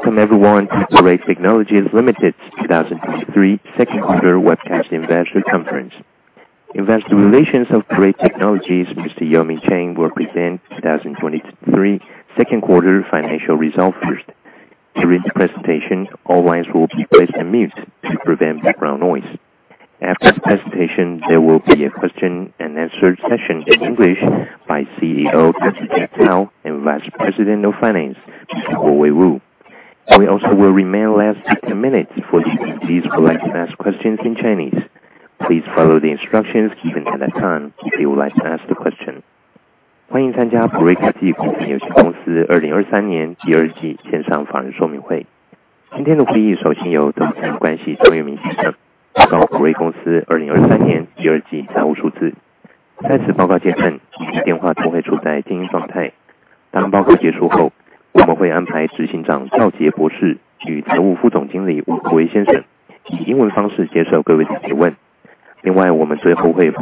Welcome everyone to Parade Technologies, Ltd.'s 2003 Q2 webcast investor conference. Investor relations of Parade Technologies, Mr. Ji-Ming Chang, will present 2023 Q2 financial results first. During the presentation, all lines will be placed on mute to prevent background noise. After the presentation, there will be a question and answer session in English by CEO, Dr. Jack Zhao and Vice President of Finance, Mr. Kuo-Wei Wu. We also will remain last 15 minutes for those who would like to ask questions in Chinese. Please follow the instructions given at that time if you would like to ask the question. Welcome to the Parade Technologies, Ltd. 2003 Q2 financial results explanation meeting. Today's meeting will first be hosted by Investor Relations, Mr. Yo-Ming Chang, who will report Parade's Q2 financial results for 2003. During this report, all phones will be in mute mode. After the report, we will arrange for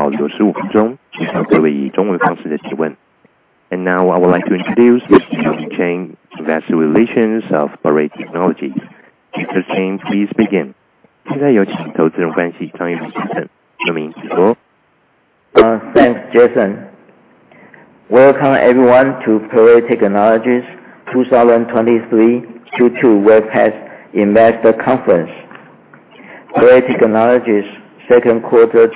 CEO, Dr. Chao and Vice President of Finance, Mr. Kuowei Wu, to take your questions in English. Additionally, we will reserve 15 minutes at the end to take your questions in Chinese. Now I would like to introduce Mr. Yo-Ming Chang, Investor Relations of Parade Technologies. Mr. Chang, please begin. Thanks, Jason. Welcome everyone to Parade Technologies 2023 Q2 webcast investor conference. Parade TechnologiesQ2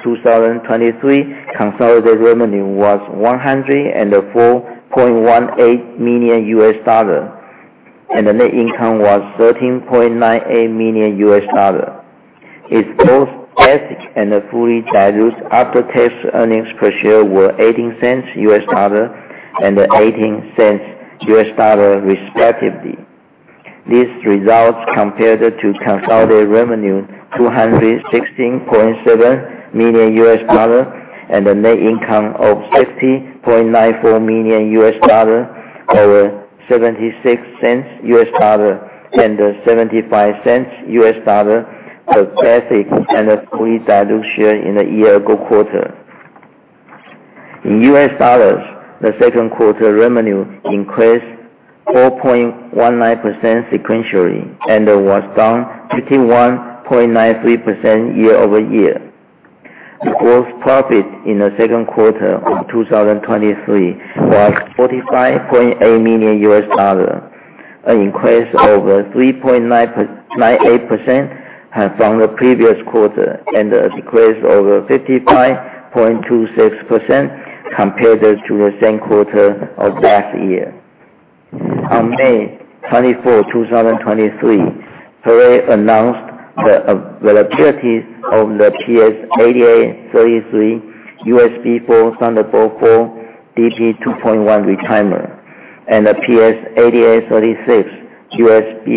2023 consolidated revenue was $104.18 million, and the net income was $13.98 million. Its both basic and fully diluted after-tax earnings per share were $0.18 and $0.18, respectively. These results compared to consolidated revenue $216.7 million and a net income of $60.94 million, or $0.76 and $0.75, the basic and the fully diluted share in the year-ago quarter. In U.S. dollars, the Q2 revenue increased 4.19% sequentially and was down 51.93% year-over-year. The gross profit in the Q2 of 2023 was $45.8 million, an increase over 3.98% from the previous quarter, and a decrease over 55.26% compared to the same quarter of last year. On May 24, 2023, Parade announced the availability of the PS8833 USB4 Thunderbolt 4 DP 2.1 retimer, and the PS8836 USB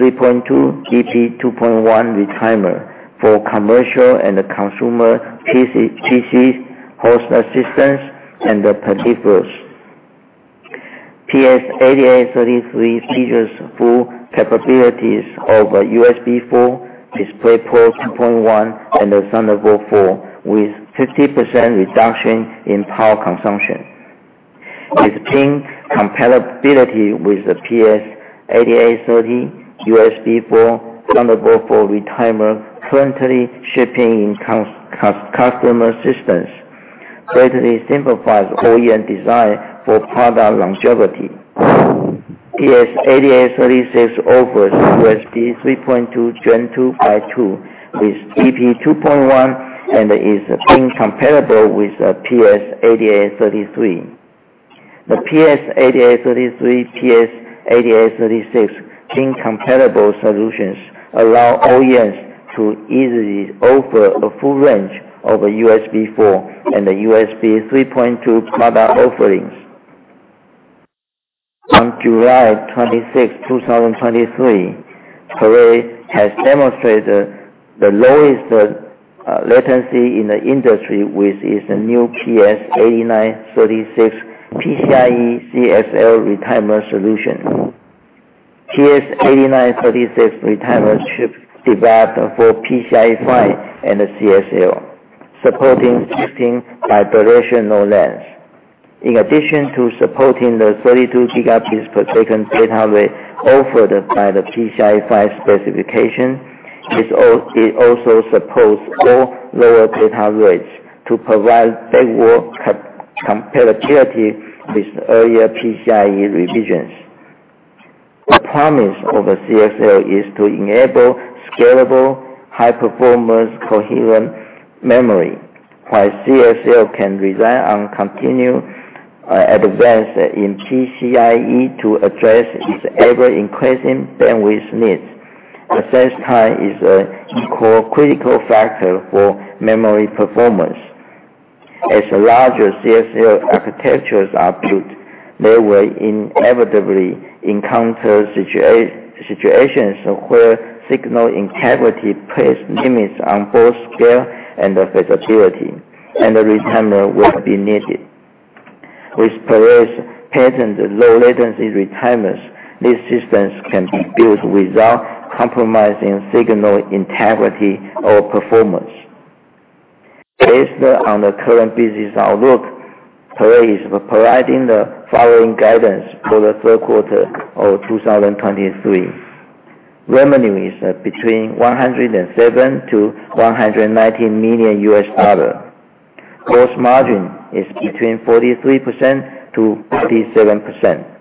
3.2 DP 2.1 retimer for commercial and consumer PCs, host systems, and peripherals. PS8833 features full capabilities of USB4, DisplayPort 2.1, and Thunderbolt 4, with 50% reduction in power consumption. Its pin compatibility with the PS8830 USB4 Thunderbolt 4 retimer currently shipping in customer systems, greatly simplifies OEM design for product longevity. PS8836 offers USB 3.2 Gen 2x2 with DP 2.1, is pin compatible with the PS8833. The PS8833, PS8836 pin compatible solutions allow OEMs to easily offer a full range of USB4 and USB 3.2 product offerings. On July 26, 2023, Parade has demonstrated the lowest latency in the industry with its new PS8936 PCIe/CXL retimer solution. PS8936 retimer chip developed for PCIe 5 and CXL, supporting existing bidirectional lanes. In addition to supporting the 32 gigabits per second data rate offered by the PCIe 5 specification, it also supports all lower data rates to provide backward compatibility with earlier PCIe revisions. The promise of CXL is to enable scalable, high-performance, coherent memory, while CXL can rely on continued advances in PCIe to address its ever-increasing bandwidth needs. At the same time, it's a core critical factor for memory performance. As larger CXL architectures are built, they will inevitably encounter situations where signal integrity places limits on both scale and flexibility, and the retimer will be needed. With Parade's patent low latency retimers, these systems can be built without compromising signal integrity or performance. Based on the current business outlook, Parade is providing the following guidance for the Q3 of 2023: revenue is between $107 million-$190 million. Gross margin is between 43%-57%.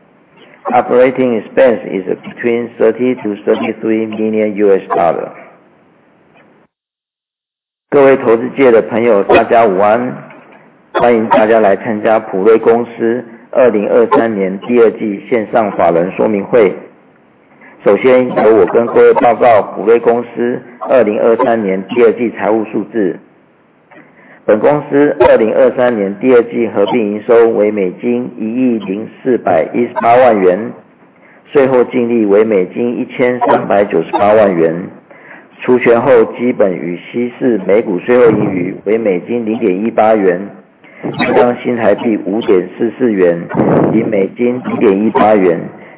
Operating expense is between $30 million-$33 million. 各位投资界的朋 友， 大家午 安！ 欢迎大家来参加普锐公司二零二三年第二季线上法人说明会。首 先， 由我跟各位报告普锐公司二零二三年第二季财务数字。本公司二零二三年第二季合并营收为美金一亿零四百一十八万 元， 税后净利为美金一千三百九十八万 元， 除权后基本与稀释每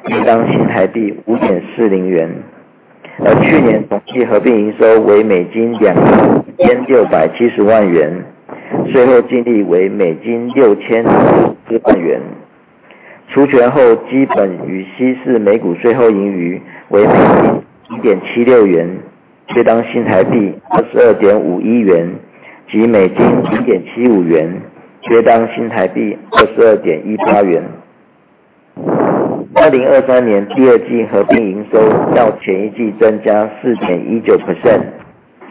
股税后盈余为美金零点一八 元， 相当于新台币五点四四 元， 及美金一点一八 元， 相当于新台币五点四零元。而去年同期合并营收为美金两亿六百七十万 元， 税后净利为美金六千四百万 元， 除权后基本与稀释每股税后盈余为美金零点七六 元， 相当于新台币二十二点五一 元， 及美金零点七五 元， 相当于新台币二十二点一八元。二零二三年第二季合并营收较前一季增加四点一九 percent，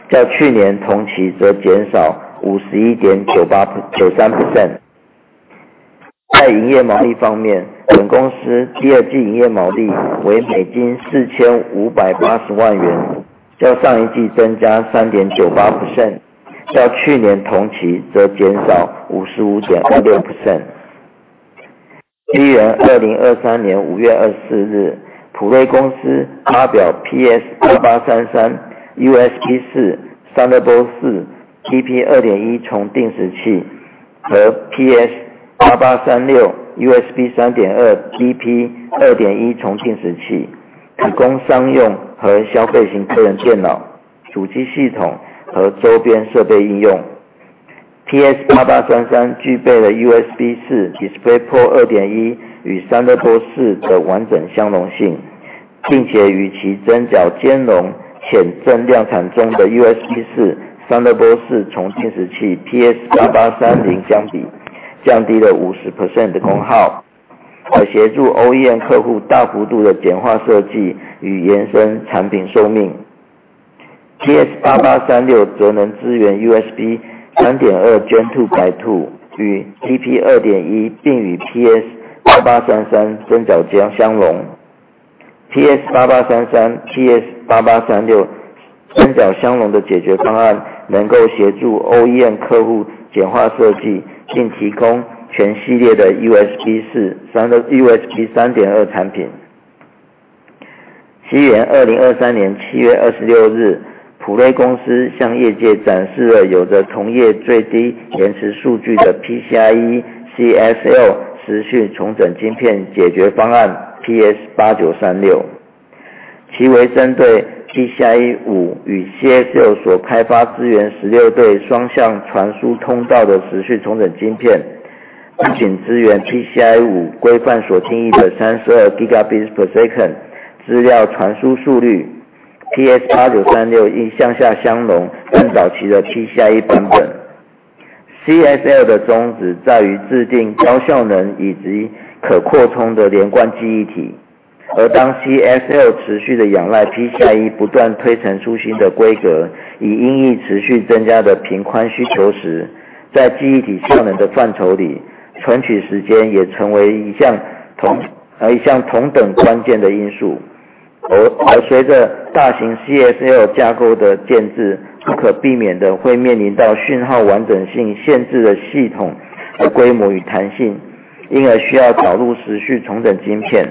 较去年同期则减少五十一点九八--九三 percent。在营业毛利方 面， 本公司第二季营业毛利为美金四千五百八十万 元， 较上一季增加三点九八 percent， 较去年同期则减少五十五点二六 percent。西元二零二三年五月二十四 日， 普锐公司发表 PS8833 USB4、Thunderbolt 4、DP2.1 重定时器和 PS8836 USB 3.2 DP2.1 重定时 器， 提供商用和消费型个人电脑、主机系统和周边设备应用。PS8833 具备了 USB4 DisplayPort 2.1 与 Thunderbolt 4的完整相容 性， 并且与其针脚兼 容， 且正在量产中的 USB4/Thunderbolt 4重定时器 PS8830 相 比， 降低了五十 percent 的功 耗， 来协助 OEM 客户大幅度地简化设计与延伸产品寿命。PS8836 则能支援 USB 3.2 Gen 2x2 与 DP2.1， 并与 PS8833 针脚 相， 相容。PS8833、PS8836 针脚相容的解决方 案， 能够协助 OEM 客户简化设 计， 并提供全系列的 USB4，3-- USB 3.2 产品。西元二零二三年七月二十六日，普锐公司向业界展示了有着同业最低延迟数据的 PCIe CSL 时序重整晶片解决方案 PS8936， 其为针对 PCIe 5与 CSL 所开 发， 支援十六对双向传输通道的时序重整晶 片， 不仅支援 PCIe 5规范所定义的三十二 gigabits per second 資料传输速率 ，PS8936 也向下相容更早期 的PCIe CXL CSL 的宗旨在于制定高性能以及可扩充的连贯记忆 体， 而当 CSL 持续地仰赖 PCIe 不断推陈出新的规 格， 以因应持续增加的频宽需求 时， 在记忆体效能的范畴 里， 存取时间也成为一项 同， 一项同等关键的因素。而， 而随着大型 CSL 架构的建 制， 不可避免地会面临到讯号完整性限制的系统和规模与弹 性， 因而需要导入时序重整晶片。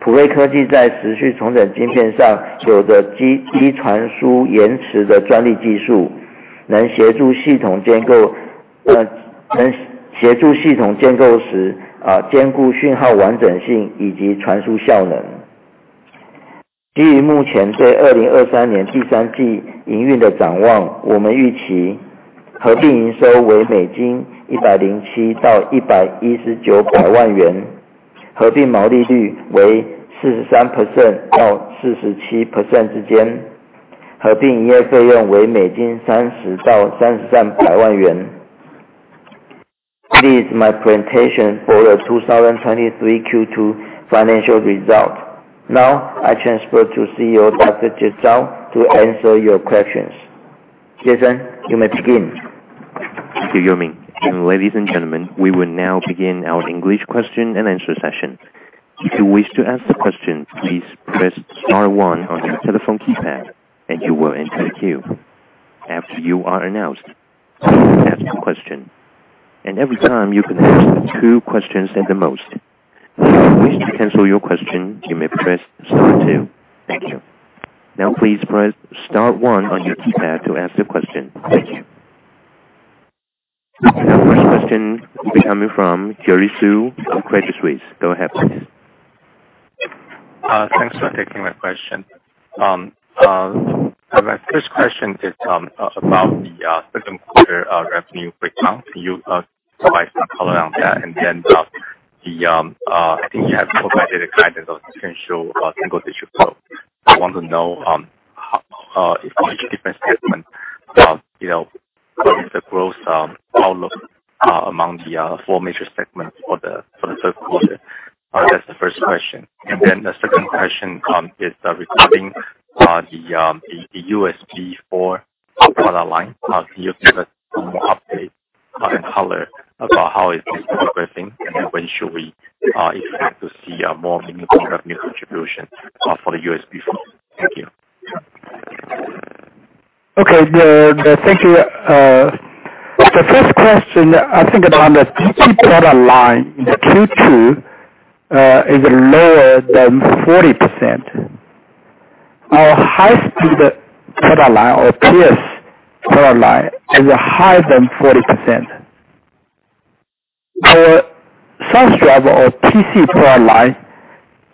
普锐科技在时序重整晶片上有着 基， 基传输延迟的专利技 术， 能协助系统建 构， 呃， 能协助系统建构 时， 呃， 兼顾讯号完整性以及传输效能。基于目前对二零二三年第三季营运的展 望， 我们预期合并营收为美金一百零七到一百一十九百万 元， 合并毛利率为四十三 percent 到四十七 percent 之 间， 合并营业费用为美金三十到三十三百万元。This is my presentation for the two thousand twenty-three Q2 financial result。Now, I transfer to CEO Dr. Jack Zhao to answer your questions. Jason, you may begin. Thank you, Ji-Ming. Ladies and gentlemen, we will now begin our English question and answer session. If you wish to ask the question, please press star one on your telephone keypad, and you will enter the queue. After you are announced, ask your question, and every time, you can ask two questions at the most. If you wish to cancel your question, you may press star two. Thank you. Now please press star one on your keypad to ask the question. Thank you. Question will be coming from Jerry Su of Credit Suisse. Go ahead, please. Thanks for taking my question. My first question is about the Q2 revenue breakdown. Can you provide some color on that? Then, I think you have provided a guidance of potential single-digit growth. I want to know how, if each different segment, you know, what is the growth outlook among the four major segments for the Q3? That's the first question. Then the second question is regarding the USB4 product line. Can you give us some more update and color about how is this progressing, and when should we expect to see a more meaningful revenue contribution for the USB4? Thank you. Okay, thank you. The first question, I think about the DP product line in the Q2, is lower than 40%. Our high-speed product line or TS product line is higher than 40%. The Source Driver or TC product line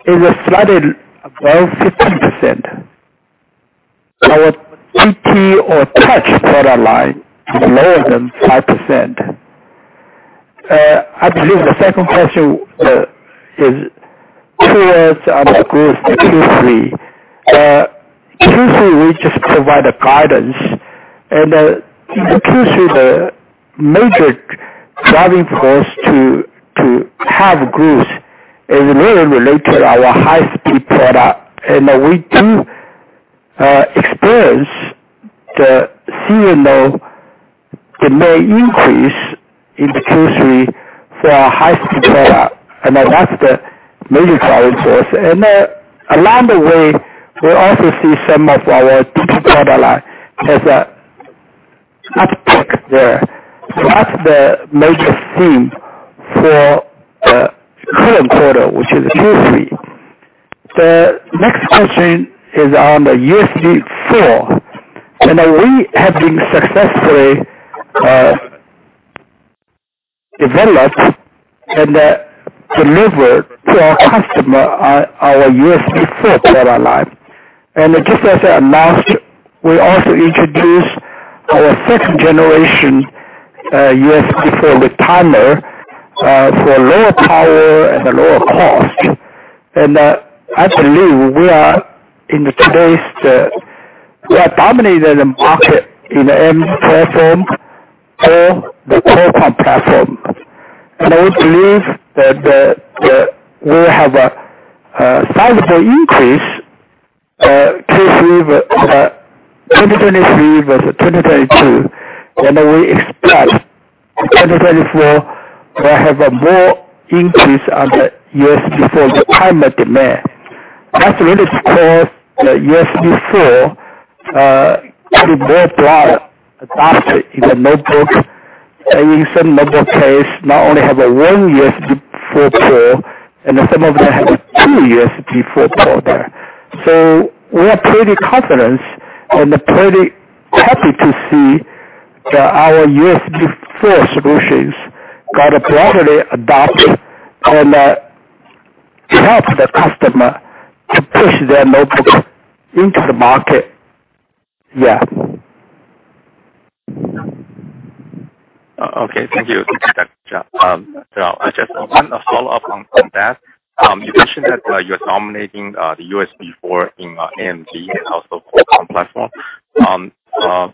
is a slightly above 15%. Our TP or touch product line is lower than 5%. I believe the second question is clear on the growth Q3. Q3, we just provide a guidance, in Q3, the major driving force to have growth is mainly related to our high-speed product. We do experience the CMO, the main increase in Q3 for our high-speed product, and that's the major driving force. Along the way, we also see some of our TP product line as a uptick there. That's the major theme for the current quarter, which is Q3. The next question is on the USB4, and we have been successfully developed and delivered to our customer our USB4 product line. Just as I announced, we also introduced our second generation USB4 controller for lower power and lower cost. I believe we are in today's we are dominated in market in the AMD platform or the Qualcomm platform. I believe that the we have a sizable increase Q3 2023 versus 2022, and we expect in 2024, we'll have a more increase on the USB4, the climate demand. That's really because the USB4 is more product adopted in the notebooks, and in some notebook case, not only have a one USB4 port, and some of them have a two USB4 port there. We are pretty confident and pretty happy to see that our USB4 solutions got broadly adopted and help the customer to push their notebooks into the market. Yeah. Okay, thank you. I just want to follow up on that. You mentioned that you're dominating the USB4 in AMD and also Qualcomm platform.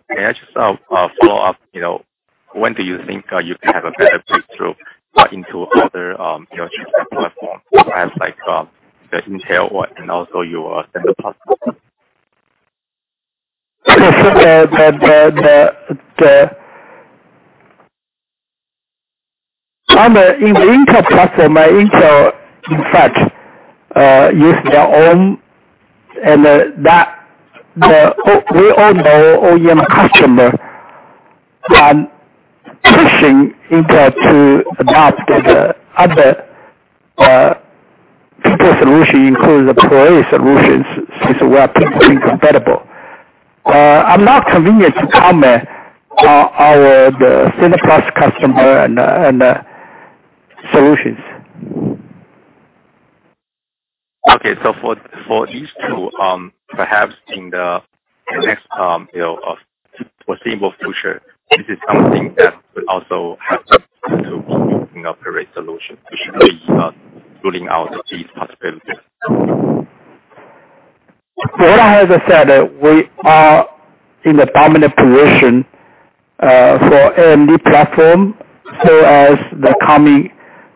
May I just follow up, when do you think you can have a better breakthrough into other different platform, perhaps like the Intel and also your standard platform? On the, in the Intel platform, Intel, in fact, use their own, and we all know OEM customer pushing Intel to adopt the other Intel solution, including the Huawei solutions, since we are completely incompatible. I'm not convenient to comment on our, the Synaptics customer and solutions. Okay. For, for these two, perhaps in the, the next foreseeable future, this is something that we also have to keep in our current solution. We should be ruling out these possibilities. Well, as I said, we are in the dominant position, for AMD platform as well as the coming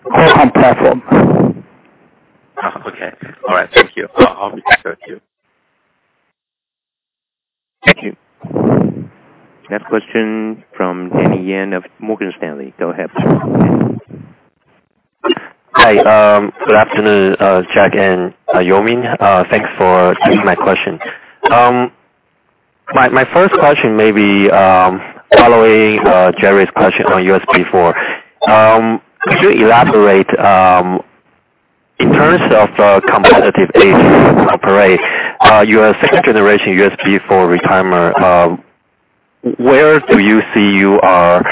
Qualcomm platform. Okay. All right. Thank you. I'll be back with you. Thank you. Next question from Danny Yen of Morgan Stanley. Go ahead, sir. Hi. Good afternoon, Jack and Ji-Ming. Thanks for taking my question. My, my first question may be following Jerry's question on USB4. Could you elaborate... in terms of competitive base operate, your second generation USB4 retimer, where do you see you are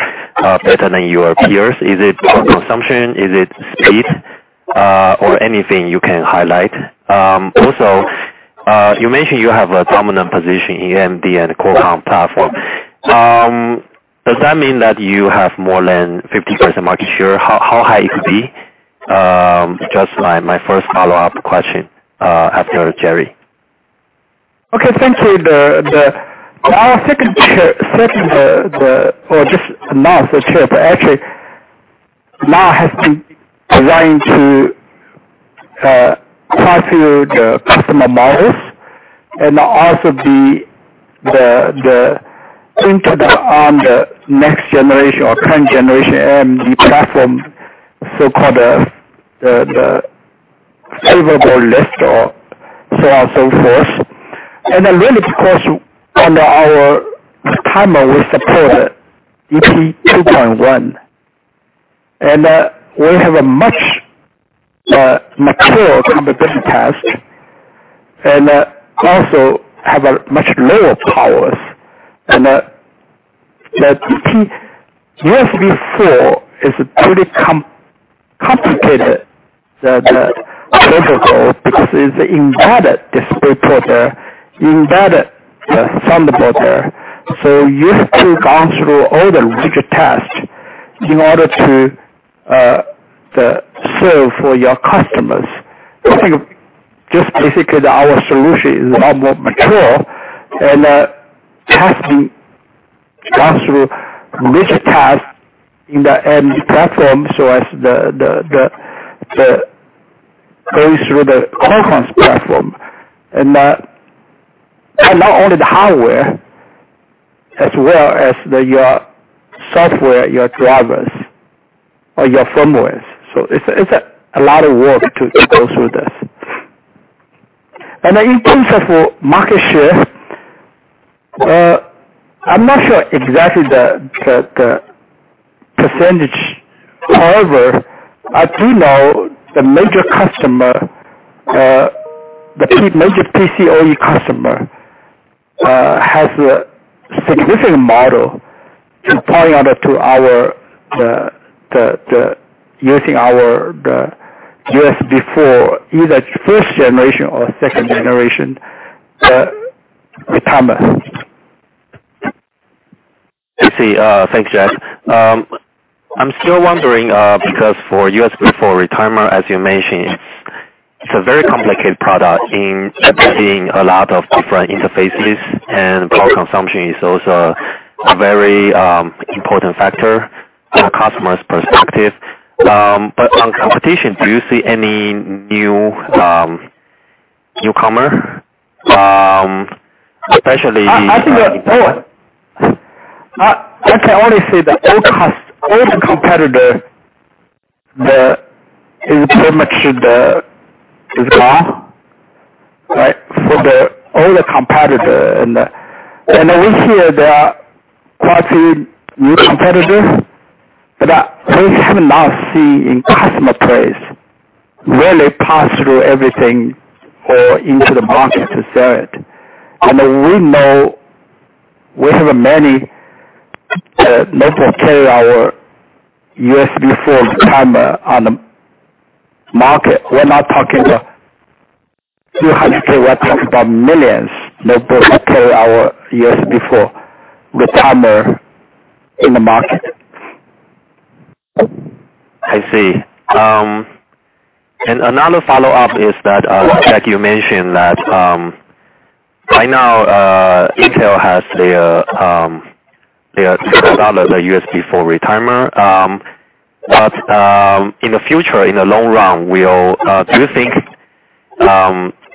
better than your peers? Is it power consumption? Is it speed, or anything you can highlight? Also, you mentioned you have a prominent position in AMD and Qualcomm platform. Does that mean that you have more than 50% market share? How, how high it could be? Just like my first follow-up question after Jerry. Okay, thank you. Our second, second, or just not the chip, actually, now has been designed to quite few the customer models and also into the, on the next generation or current generation AMD platform, so-called favorable list or so on, so forth. Then, of course, under our retimer, we support DP 2.1, and we have a much mature competition test and also have a much lower powers. USB4 is a pretty complicated protocol, because it's embedded DisplayPort, embedded Thunderbolt. You have to go through all the rigid tests in order to the serve for your customers. Just basically, our solution is a lot more mature and testing gone through rigid test in the end platform, so as going through the Qualcomm platform, and not only the hardware as well as your software, your drivers, or your firmwares. It's a lot of work to go through this. In terms of market share, I'm not sure exactly the percentage. However, I do know the major customer, the major PC OE customer, has a significant model to point out to our using our USB4, either first generation or second generation retimer. I see. Thanks, Jack. I'm still wondering, because for USB4 retimer, as you mentioned, it's a very complicated product in embedding a lot of different interfaces and power consumption is also a very important factor from a customer's perspective. On competition, do you see any new newcomer, especially... I think, I can only say that all cost, all the competitor, the, is pretty much the, is high, right? For the all the competitor and we hear there are quite a few new competitors, but we have not seen in customer place, really pass through everything or into the market to sell it. We know we have many notebook carry our USB4 retimer on the market. We're not talking about $200K, we're talking about millions, notebook carry our USB4 retimer in the market. I see. Another follow-up is that, like you mentioned, right now, Intel has their USB4 retimer. In the future, in the long run, will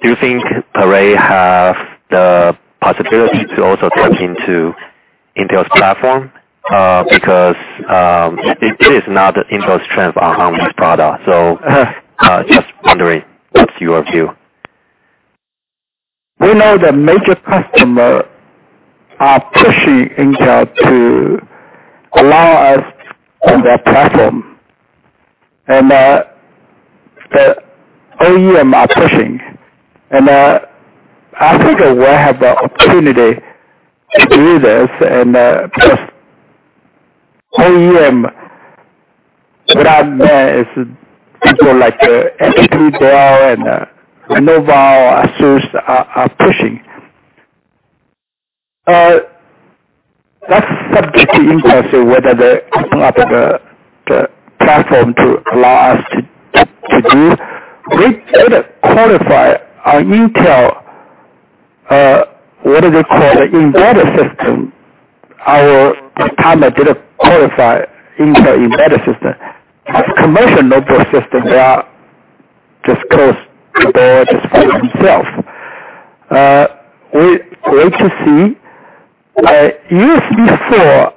do you think Parade have the possibility to also tap into Intel's platform? It is not Intel's strength on this product, just wondering what's your view. We know the major customer are pushing Intel to allow us on their platform, the OEM are pushing, I think we'll have the opportunity to do this. Plus OEM, what I mean is people like HP, Dell, Lenovo, ASUS are pushing. That's subject to Intel, whether they open up the, the platform to allow us to, to, to do. We qualify our Intel, what do they call it? Embedded system. Our retimer did qualify Intel embedded system. As commercial notebook system, they are just close the door despite himself. We wait to see, USB4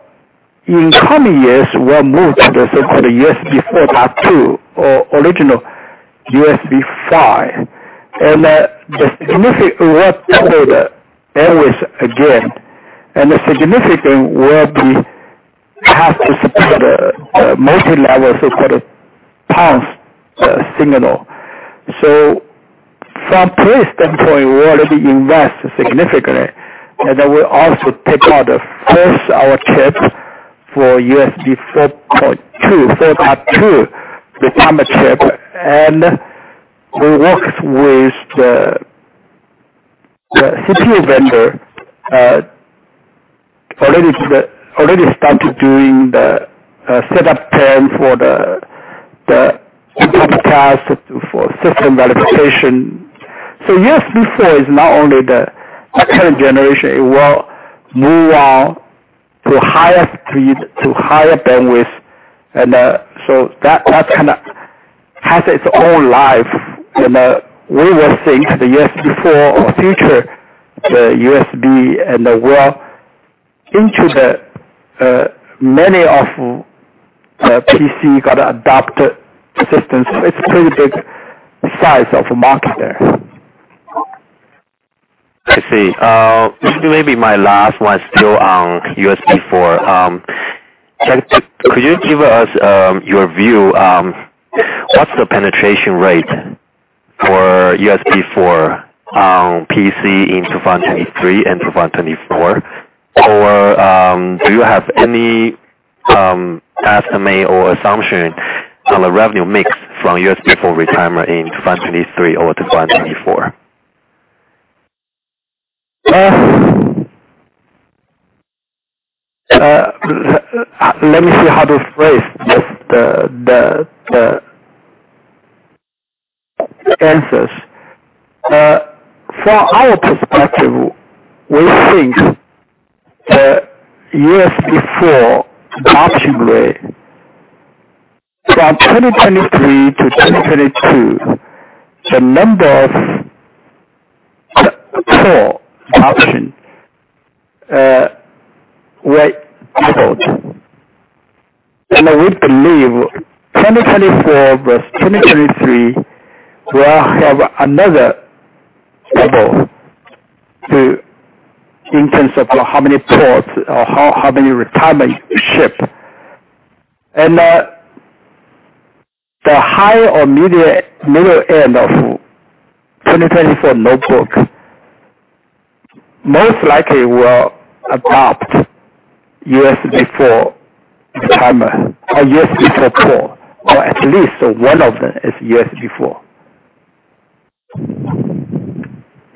in coming years will move to the so-called USB4 part two or original USB5, and the significant will always again, and the significant thing will be have to support a, a multi-level, so-called PAM4 signal. From Parade's standpoint, we already invest significantly, and then we also take out the first, our chips for USB4 2.0, 4.2, the retimer chip, and we worked with the CPU vendor, already started doing the setup plan for the broadcast for system validation. USB4 is not only the current generation, it will move on to higher speed, to higher bandwidth, and that kind of has its own life. We will see the USB4 future, the USB and the world into the many of the PC got adopted systems. It's pretty big size of market there. I see. This may be my last one still on USB4. Could, could you give us your view, what's the penetration rate for USB4 on PC in 2023 and 2024? Do you have any SMA or assumption on the revenue mix from USB4 retimer in 2023 or 2024? Let me see how to phrase this, the, the, the answers. From our perspective, we think the USB4 adoption rate from 2023 to 2022, the number of core adoption were doubled. I would believe 2024 plus 2023 will have another double in terms of how many ports or how, how many retimer ship. the higher or middle, middle end of 2024 notebook, most likely will adopt USB4 retimer or USB4 core, or at least one of them is USB4.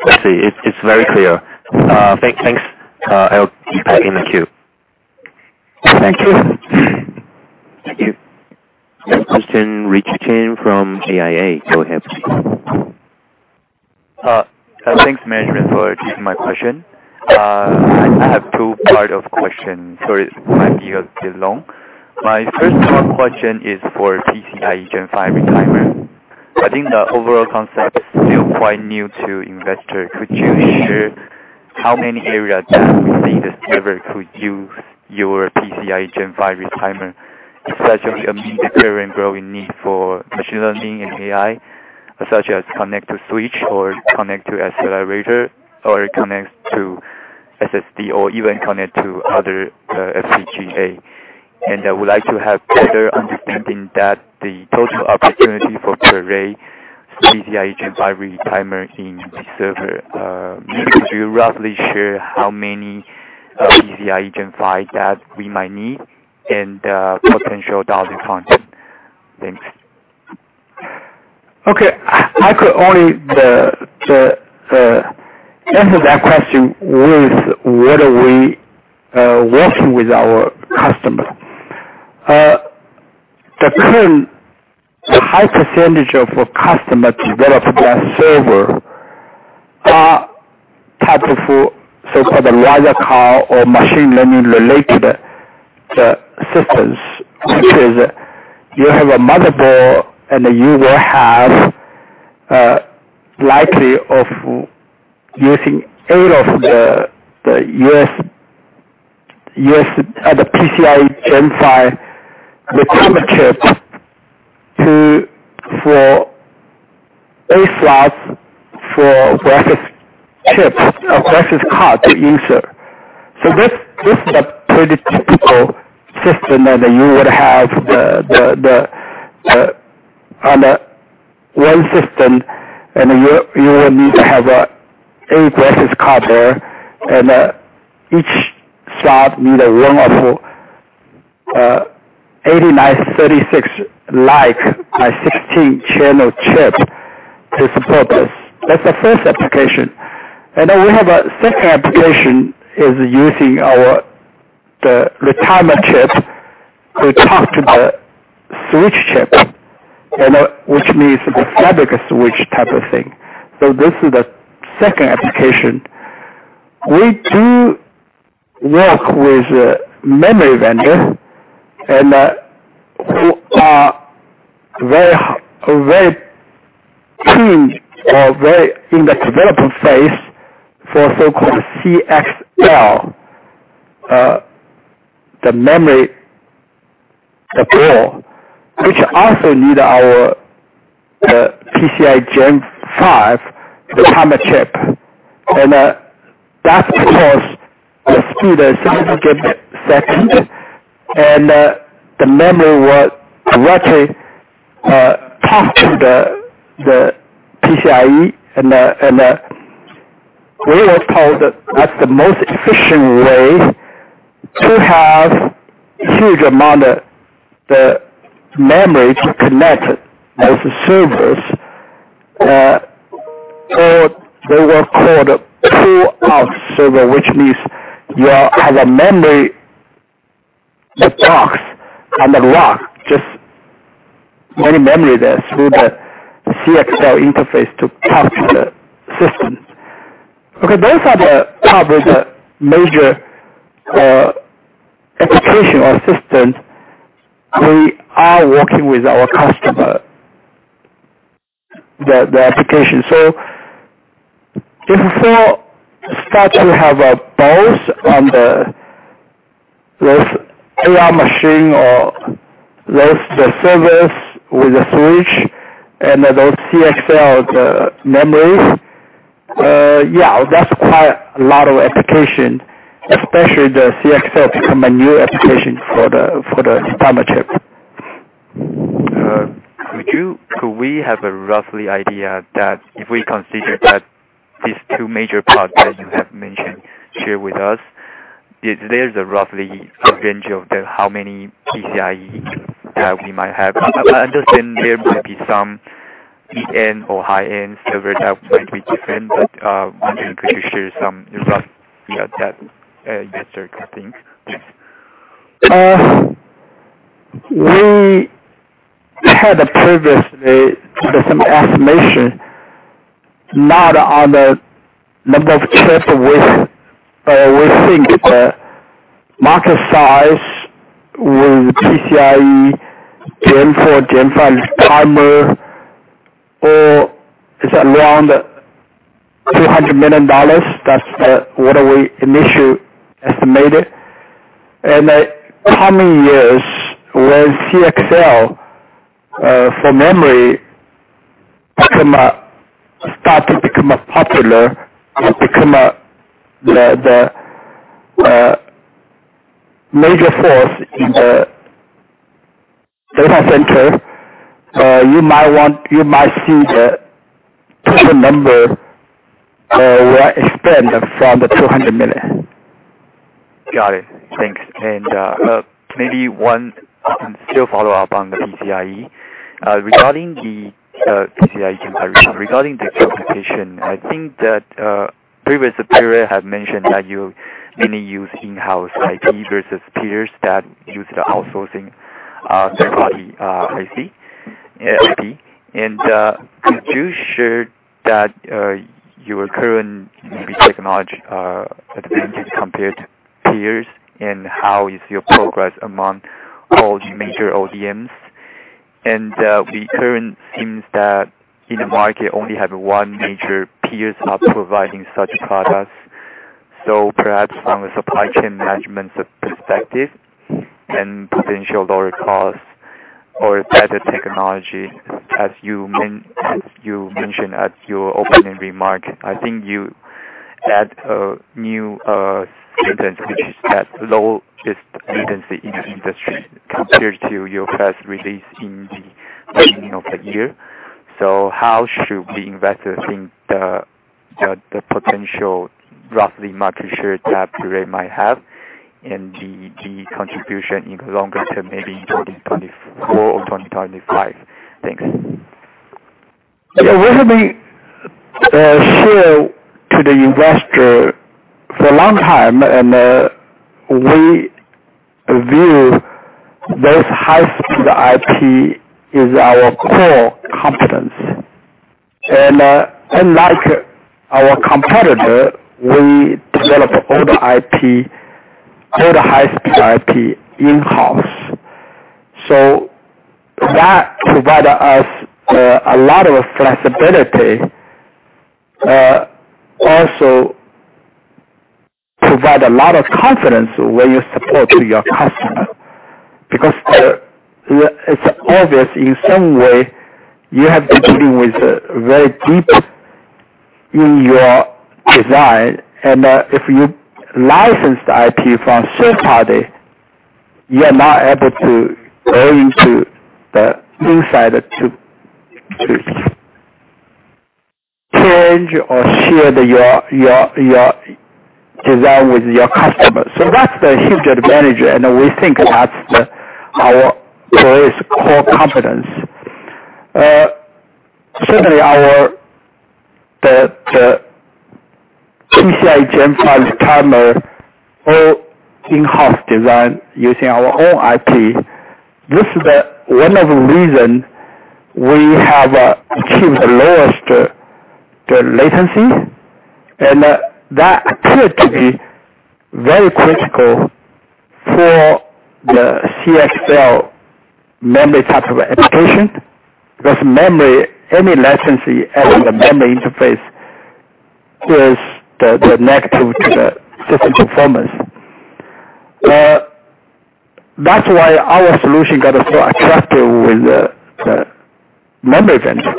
I see. It's very clear. Thanks. I'll get back in the queue. Thank you. Thank you. Next question, Richard Chen from AIA. Go ahead. Thanks, management, for taking my question. I have two part of question, so it might be a bit long. My first one question is for PCIe Gen 5 retimer. I think the overall concept is still quite new to investor. Could you share how many areas that we see the server could use your PCIe Gen 5 retimer, such as a current growing need for machine learning and AI, such as connect to switch or connect to accelerator, or it connects to SSD, or even connect to other FPGA? I would like to have better understanding that the total opportunity for Parade PCIe Gen 5 retimer in the server. Could you roughly share how many PCIe Gen 5 that we might need and potential dollar content? Thanks. Okay. I, I could only the, the answer that question with what are we working with our customers. The current high percentage of our customers develop their server are type of, so-called larger car or machine learning-related systems, which is you have a motherboard and you will have likely of using 8 of the, the US, US, the PCIe Gen 5 retimer chips to, for 8 slots for graphics chips, a graphics card to insert. This, this is a pretty typical system, and you would have the, the, the, the, on a 1 system, and you, you will need to have 8 graphics card there, and each slot need one of PS8936, like my 16-channel chip to support this. That's the first application. Then we have a second application, is using our, the retimer chip to talk to the switch chip, and, which means the fabric switch type of thing. This is the second application. We do work with memory vendor and, who are very, very keen or very in the development phase for so-called CXL, the memory board, which also need our PCIe Gen 5, the retimer chip, and, that's because the speed is significant second, and, the memory was directly, talk to the, the PCIe, and, and, we were told that that's the most efficient way to have huge amount of the memory to connect as a servers. They were called two out server, which means you have a memory, the box on the block, just many memory there through the CXL interface to talk to the systems. Okay, those are the top with the major application or systems we are working with our customer, the application. If you start to have both on those AI machine or those, the servers with the switch and those CXL, the memories, yeah, that's quite a lot of application, especially the CXL become a new application for the retimer chip. Could we have a roughly idea that if we consider that these two major parts that you have mentioned, share with us, is there's a roughly range of the how many PCIe we might have? I, I understand there might be some end or high-end server that might be different, but, could you share some roughly, that, that sort of thing? We had a previously some estimation, not on the number of chips, which we think the market size with PCIe Gen 4, Gen 5 retimer, or is around $200 million. That's the what we initially estimated. In the coming years, when CXL for memory start to become popular or become a major force in the data center, you might see the total number will expand from the $200 million. Got it. Thanks. Maybe one still follow up on the PCIe. Regarding the PCIe comparison, regarding the qualification, I think that previous period have mentioned that you mainly use in-house IP versus peers that use the outsourcing, third party IC, IP. Could you share that your current maybe technology advantage compared to peers and how is your progress among all major ODMs? The current seems that in the market only have one major peers are providing such products. Perhaps from a supply chain management perspective and potential lower cost or better technology, as you mentioned at your opening remark, I think you had a new inaudible that lowest inaudible in the industry compared to your first release in the beginning of the year. How should we investors think the potential, roughly market share that Parade might have and the contribution in the longer term, maybe in 2024 or 2025? Thanks. Yeah, we have been share to the investor for a long time. We view this high-speed IP is our core competence. Unlike our competitor, we develop all the IP, all the high-speed IP in-house. That provide us a lot of flexibility, also provide a lot of confidence when you support to your customer, because it's obvious in some way you have been dealing with a very deep in your design, and if you licensed IP from third party, you are not able to go into the inside to change or share your design with your customers. That's the huge advantage, and we think that's our core competence. Our PCIe Gen 5 retimer, all in-house design using our own IP. This is the one of the reason we have achieved the lowest, the latency, and that appeared to be very critical for the CXL memory type of application, because memory, any latency at the memory interface. is the, the negative to the system performance. That's why our solution got so attractive with the, the memory vendor.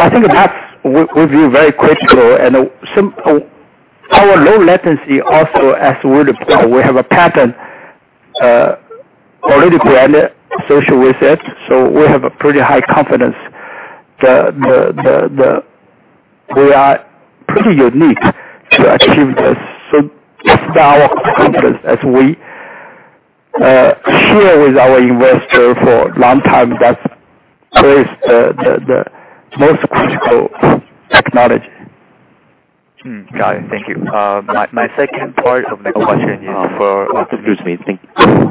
I think that will be very critical and some, our low latency also, as we report, we have a pattern already planned associated with it, so we have a pretty high confidence. We are pretty unique to achieve this. That our confidence as we share with our investor for long time, that's where is the, the, the most critical technology. Got it. Thank you. My second part of my question is for- Excuse me.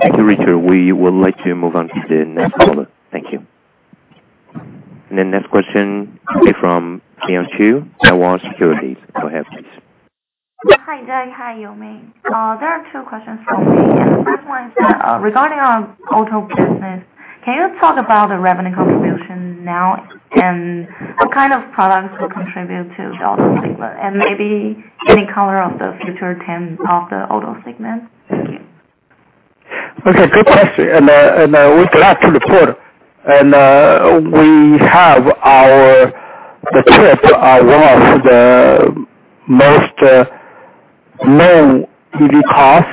Thank you, Richard. We would like to move on to the next caller. Thank you. The next question is from Michelle Chu, Hawawase Securities. Go ahead, please. Hi, Jerry. Hi, Yo-Ming. There are two questions for me. The first one is regarding our auto business. Can you talk about the revenue contribution now, what kind of products will contribute to the auto segment? Maybe any color of the future trend of the auto segment? Thank you. Okay, good question. We're glad to report. We have our, the chip, one of the most known EV cars.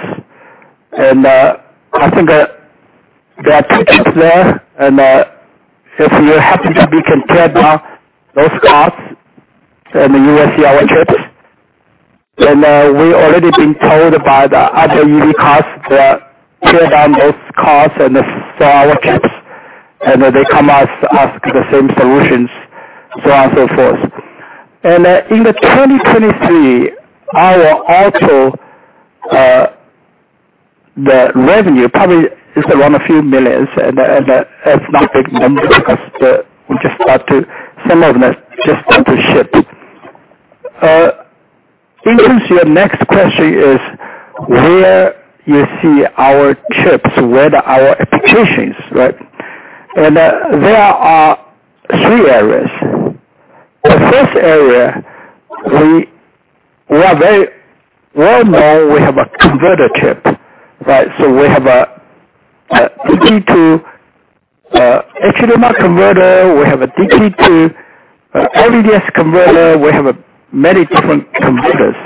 I think there are 2 chips there. If you're happy to be compared those cars, you will see our chips. We've already been told by the other EV cars to tear down those cars and saw our chips. They come ask, ask the same solutions, so on and so forth. In 2023, our auto, the revenue probably is around USD a few million. That's not big numbers because we just start to, some of them just start to ship. In terms of your next question is where you see our chips, where our applications, right? There are 3 areas. The first area, we are very well-known, we have a converter chip, right? We have a DP to a HDMI converter, we have a DP to a LVDS converter, we have many different converters.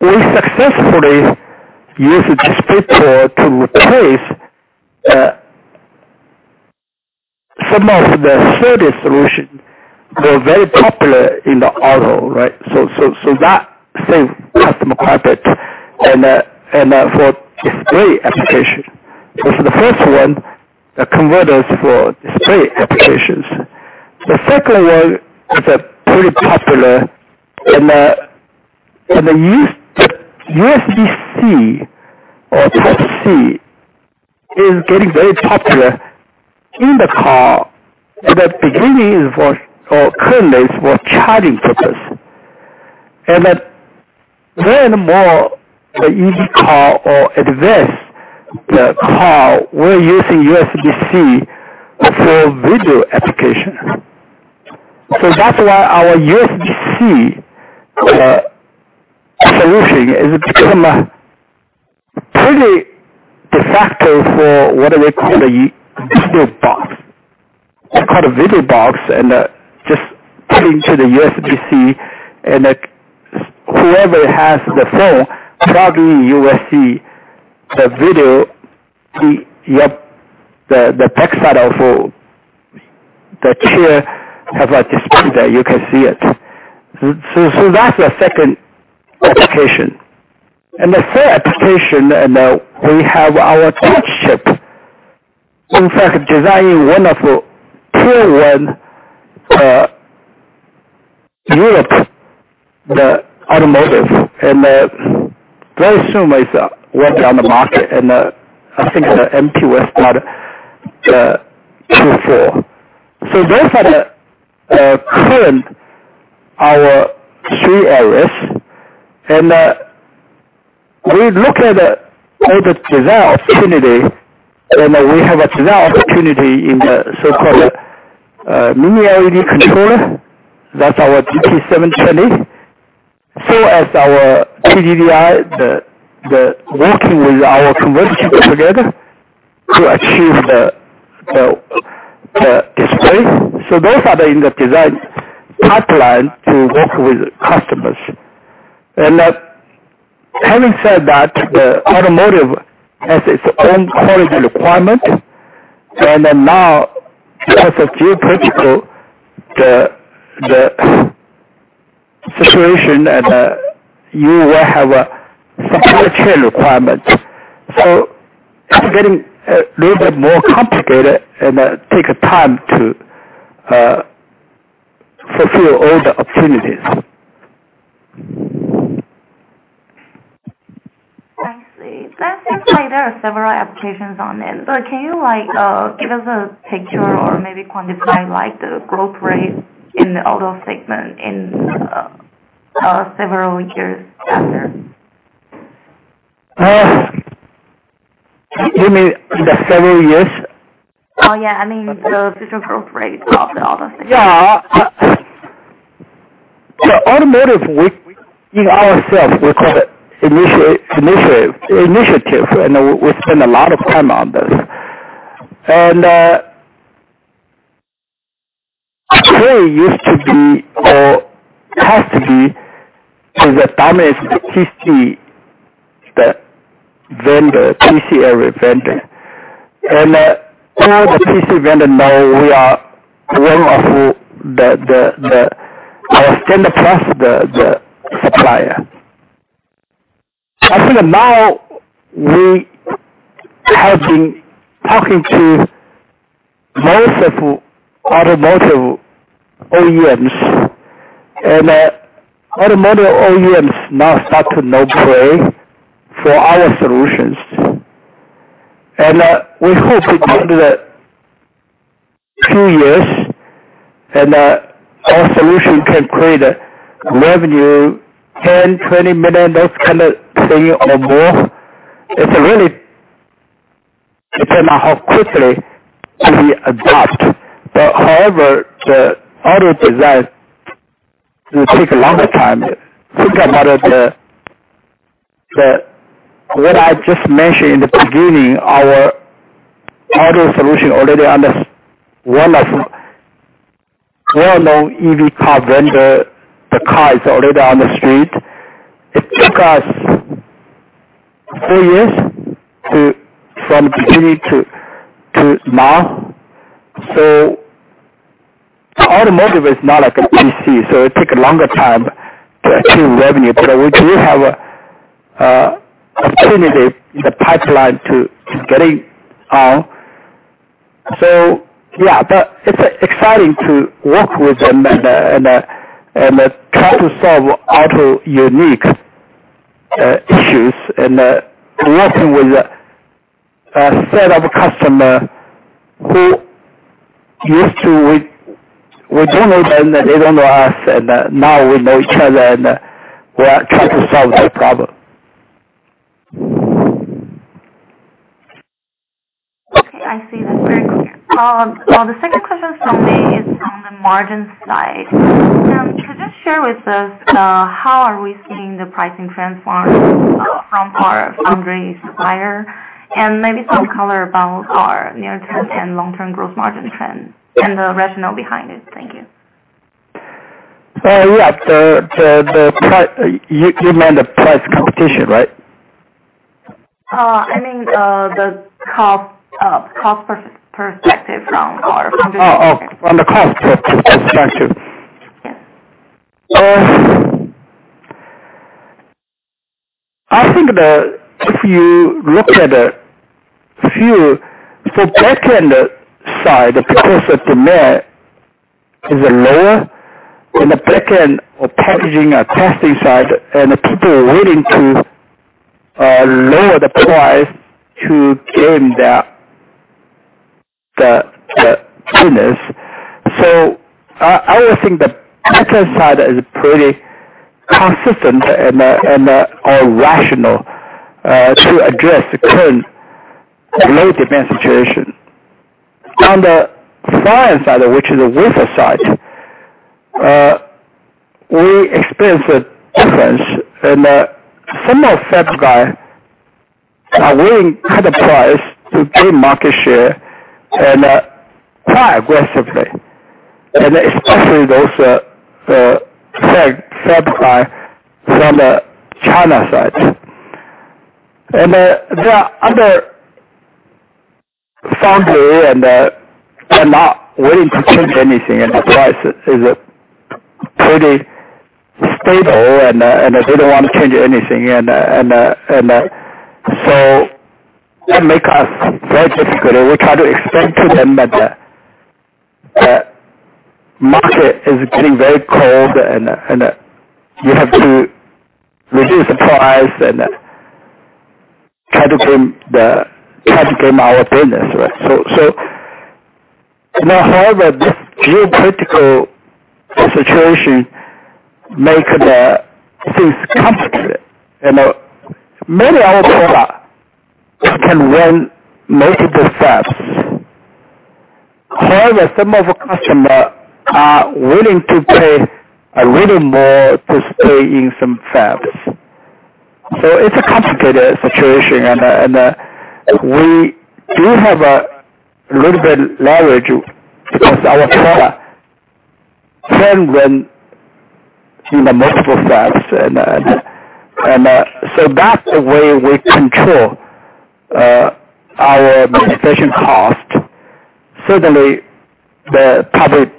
We successfully used the display to replace some of the third solution. They're very popular in the auto, right? That saves customer profit and for display application. For the first one, the converter is for display applications. The second one is pretty popular, and the USB-C or Type-C is getting very popular in the car. At the beginning, it was for currently for charging purpose, and then more the EV car or advanced the car, we're using USB-C for video application. That's why our USB-C solution has become pretty de facto for what do they call a video box. It's called a video box, and just put into the USB-C, and whoever has the phone, probably you will see the video, the back side of the chair have a display there, you can see it. That's the second application. The third application, we have our touch chip. In fact, designing one of the tier one Europe, the automotive, very soon it will be on the market, I think the MPS got the 2-4. Those are the current, our three areas, we look at the design opportunity, we have a design opportunity in the so-called mini LED controller. That's our DP720. As our DDVI, working with our conversion together to achieve the displays. Those are in the design pipeline to work with customers. Having said that, the automotive has its own quality requirement, and then now because of geopolitical situation, and you will have a supply chain requirements. It's getting a little bit more complicated and take time to fulfill all the opportunities. I see. That seems like there are several applications on it, but can you like, give us a picture or maybe quantify like the growth rate in the auto segment in, several years after? You mean the several years? Oh, yeah. I mean, the growth rate of all those things. Yeah. So automotive, we ourselves, we call it initiate, initiative, initiative, and we spend a lot of time on this. Today used to be, or has to be, is a dominant PC, the vendor, PC area vendor. All the PC vendor know we are aware of who the I stand across the supplier. I think now we have been talking to most of automotive OEMs, and automotive OEMs now start to know Parade for our solutions. We hope it took the two years, and our solution can create a revenue, $10 million-$20 million, those kind of thing, or more. It's really depend on how quickly to be adopted. However, the auto design will take a longer time. Think about what I just mentioned in the beginning, our auto solution already under one of, well-known EV car vendor, the car is already on the street. It took us four years from beginning to now. Automotive is not like a PC, so it take a longer time to achieve revenue. We do have a opportunity in the pipeline to getting on. Yeah, it's exciting to work with them and try to solve auto unique issues, and working with a set of customer who used to we do know them, and they don't know us, and now we know each other, and we are trying to solve their problem. Okay, I see that very clear. The second question from me is from the margin side. Could you just share with us how are we seeing the pricing transform from our foundry supplier? Maybe some color about our near-term and long-term growth margin trend and the rationale behind it. Thank you. Yeah. The, the, the You, you mean the price competition, right? I mean, the cost, cost per, perspective from our foundry. Oh, oh, from the cost perspective. Thank you. Yes. I think that if you look at a few, the back-end side, the process demand is lower in the back end of packaging and costing side, and the people are willing to lower the price to gain the business. So I would think the back-end side is pretty consistent and are rational to address the current low demand situation. On the front side, which is a wafer side, we experience a difference, and some of the fab guy are willing to cut the price to gain market share and quite aggressively, especially those fab, fab guy from the China side. There are other foundry and are not willing to change anything, and the price is pretty stable, and they don't want to change anything. That make us very difficult. We try to explain to them that the, the market is getting very cold, and, and, you have to reduce the price and try to gain our business, right? However, this geopolitical situation make the things complicated. Maybe our product can win multiple fabs. However, some of our customer are willing to pay a little more to stay in some fabs. It's a complicated situation, and, and, we do have a little bit leverage because our product can win in the multiple fabs, and, and, so that's the way we control our manufacturing cost. Certainly, the public,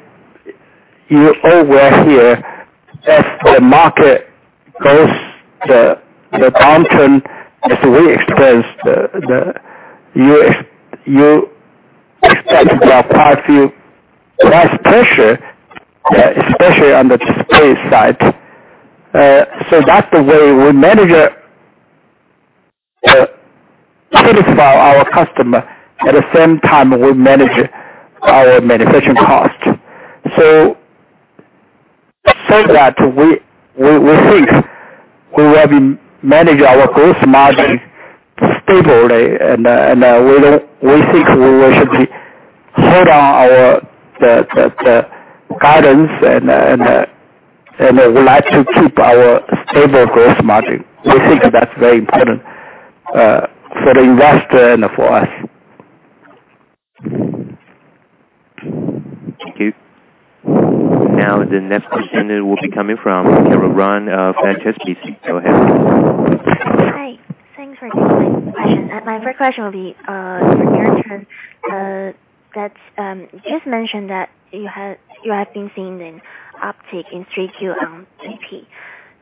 you all were here. If the market goes the, the downturn, as we experienced, the, you, you expect the gross profit less pressure, especially on the display side. That's the way we manage it, satisfy our customer. At the same time, we manage our manufacturing cost. That we, we, we think we will be manage our gross margin stably, and, and, We think we should be hold on our, the, the, the guidance and, and, and we like to keep our stable gross margin. We think that's very important, for the investor and for us. Thank you. The next question will be coming from Caroline Chen of Francesca. Go ahead. Hi. Thanks for taking my question. My first question will be, that, you just mentioned that you have been seeing an uptick in 3Q on TP.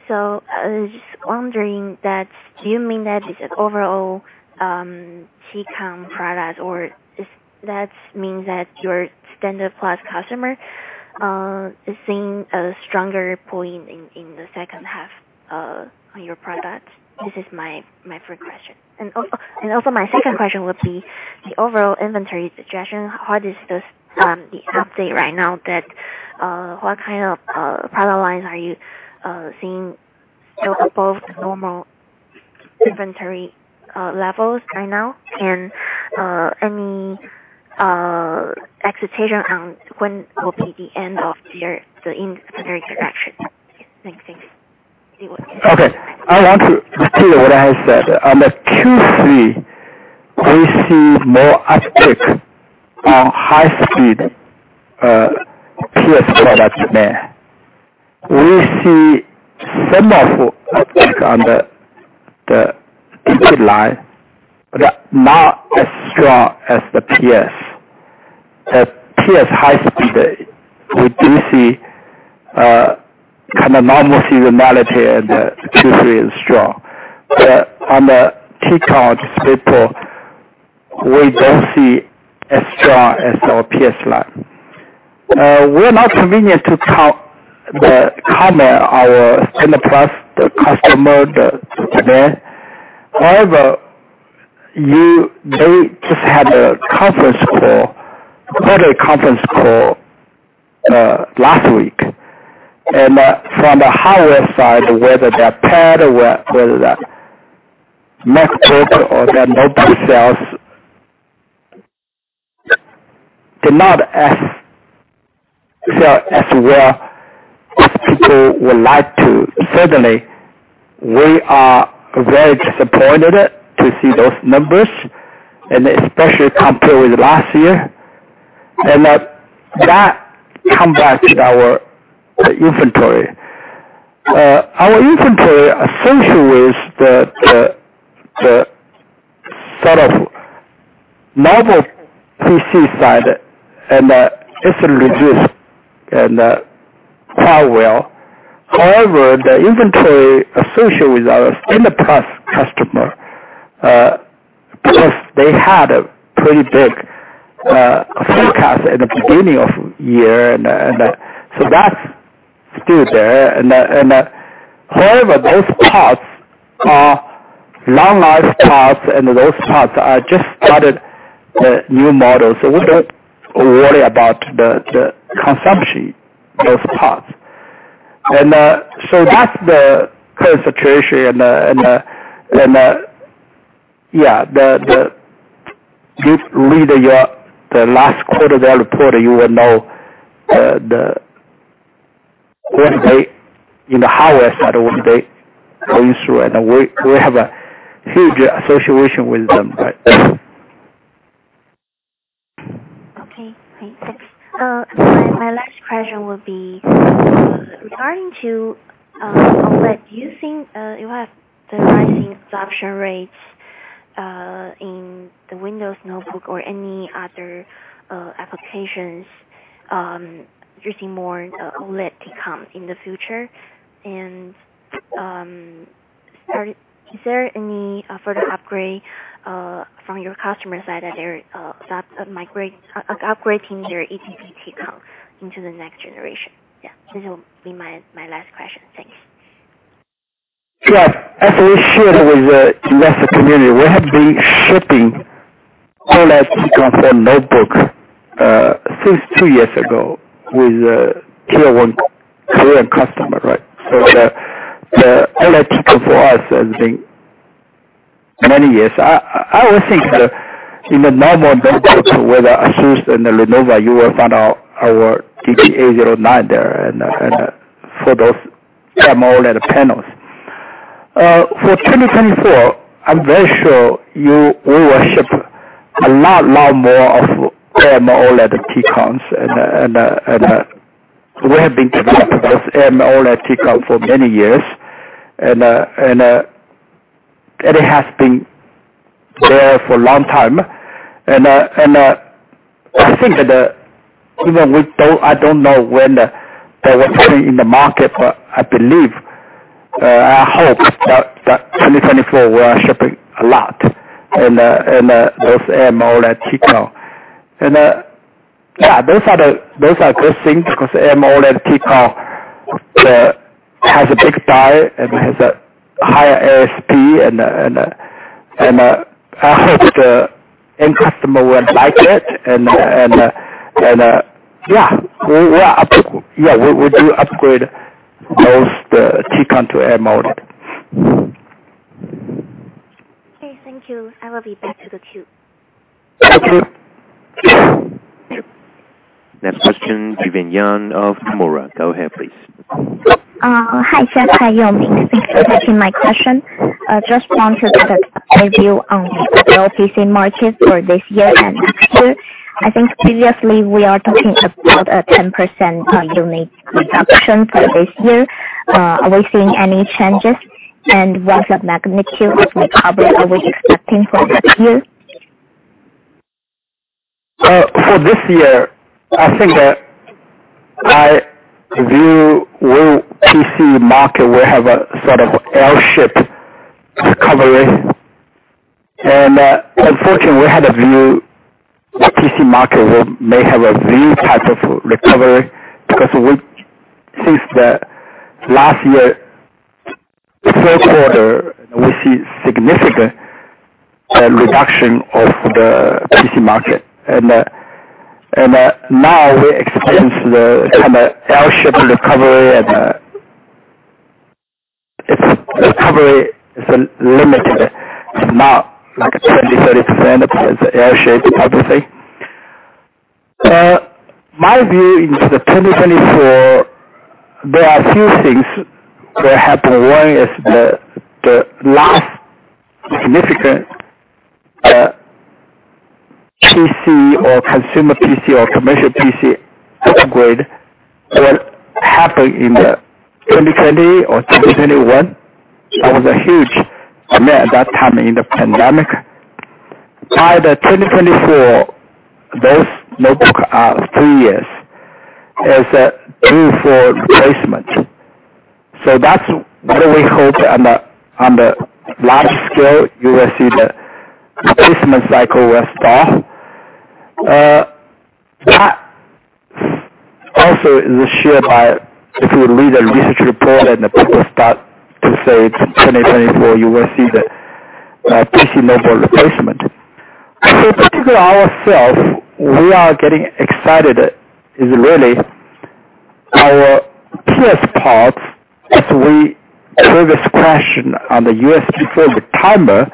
I was just wondering that, do you mean that it's an overall Tcon product, or is that means that your standards-plus customer is seeing a stronger point in the second half on your product? This is my first question. Also my second question would be the overall inventory suggestion. What is this the update right now that, what kind of product lines are you seeing above the normal inventory levels right now? Any expectation on when will be the end of your, the inventory correction? Thanks. Thanks. Okay, I want to repeat what I said. On the Q3, we see more uptick on high-speed PS products there. We see some of uptick on the, the line, but not as strong as the PS. At PS high-speed, we do see kind of normal seasonality. The Q3 is strong. On the Tcon people, we don't see as strong as our PS line. We're not convenient to count the comment, our standards-plus, the customer, the demand. However, they just had a conference call, quarter conference call, last week. From the hardware side, whether they're pad, or whether they're notebook, or the mobile sales, they're not as well as people would like to. Certainly, we are very disappointed to see those numbers, especially compared with last year. That come back to our inventory. Our inventory associated with the sort of mobile PC side, it's reduced quite well. However, the inventory associated with our standards-plus customer, because they had a pretty big forecast at the beginning of year, so that's still there. However, those parts are long life parts, those parts are just started new models, so we don't worry about the consumption, those parts. So that's the current situation. Just read the last quarter of our report, you will know where they, in the Huawei side, what they going through, we have a huge association with them, right? Okay, great. Thanks. My last question would be, regarding to, what do you think, you have the rising adoption rates in the Windows notebook or any other applications, using more OLED TCON in the future? Is there any further upgrade from your customer side that they're start migrate, upgrading their AMOLED TCON into the next generation? Yeah, this will be my, my last question. Thanks. Yeah. As we shared with the investor community, we have been shipping all OLED TCON for notebook, since two years ago with a tier one Korean customer, right? The, the OLED TCON for us has been many years. I, I would think that in the normal notebook, whether ASUS and the Lenovo, you will find out our DP809 there, and, and for those AMOLED panels. For 2024, I'm very sure you, we will ship a lot, lot more of AMOLED TCON, and, and, we have been developing this AMOLED TCON for many years, and, and, it has been there for a long time. I think that, even with though, I don't know when the, what's happening in the market, but I believe, I hope that, that 2024 we are shipping a lot, and, and, those AMOLED TCON. Yeah, those are the, those are good things, because AMOLED TCON, has a big buy and has a higher ASP, and, and, and, I hope the end customer will like it. Yeah, we are, yeah, we, we do upgrade most, Tcon to AMOLED. Okay, thank you. I will be back to the queue. Thank you. Next question, Vivian Yang of Nomura. Go ahead, please. Hi, Jack. Hi, Ji-Ming. Thanks for taking my question. I just want to get an update on the OTC market for this year and next year. I think previously we are talking about a 10% unit reduction for this year. Are we seeing any changes? What's the magnitude of recovery are we expecting for next year? For this year, I think that I view world PC market will have a sort of L-shaped recovery. Unfortunately, we had a view the PC market may have a V type of recovery, because we think that last year,Q4 we see significant reduction of the PC market. Now we expect the kind of L-shaped recovery and its recovery is limited. It's not like a 20%-30%. It's an L-shaped recovery. My view into 2024, there are a few things that happened. One is the last significant PC or consumer PC or commercial PC upgrade that happened in 2020 or 2021. That was a huge demand at that time in the pandemic. By 2024, those notebook are three years, is due for replacement. That's what we hope on the, on the large scale, you will see the replacement cycle will start. That also is shared by, if you read a research report and the people start to say in 2024, you will see the PC mobile replacement. I think ourselves, we are getting excited, is really our PS parts as we previous question on the USB4 with timer,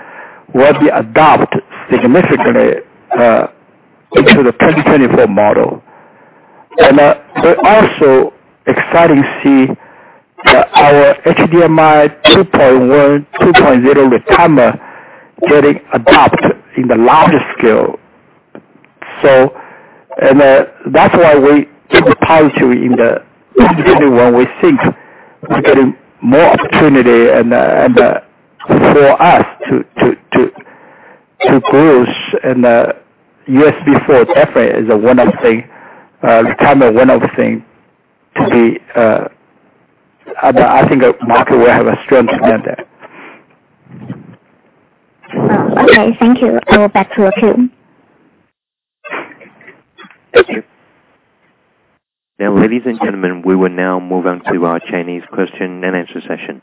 will be adopt significantly into the 2024 model. We're also excited to see that our HDMI 2.1, 2.0 with timer getting adopted in the large scale. That's why we keep the trajectory in the 2021. We think we're getting more opportunity and, and for us to, to, to, to grow. USB4 definitely is a one-off thing. The retimer one-off thing to be, I think the market will have a strong demand there. Okay, thank you. I will back to the queue. Thank you. Now, ladies and gentlemen, we will now move on to our Chinese question and answer session.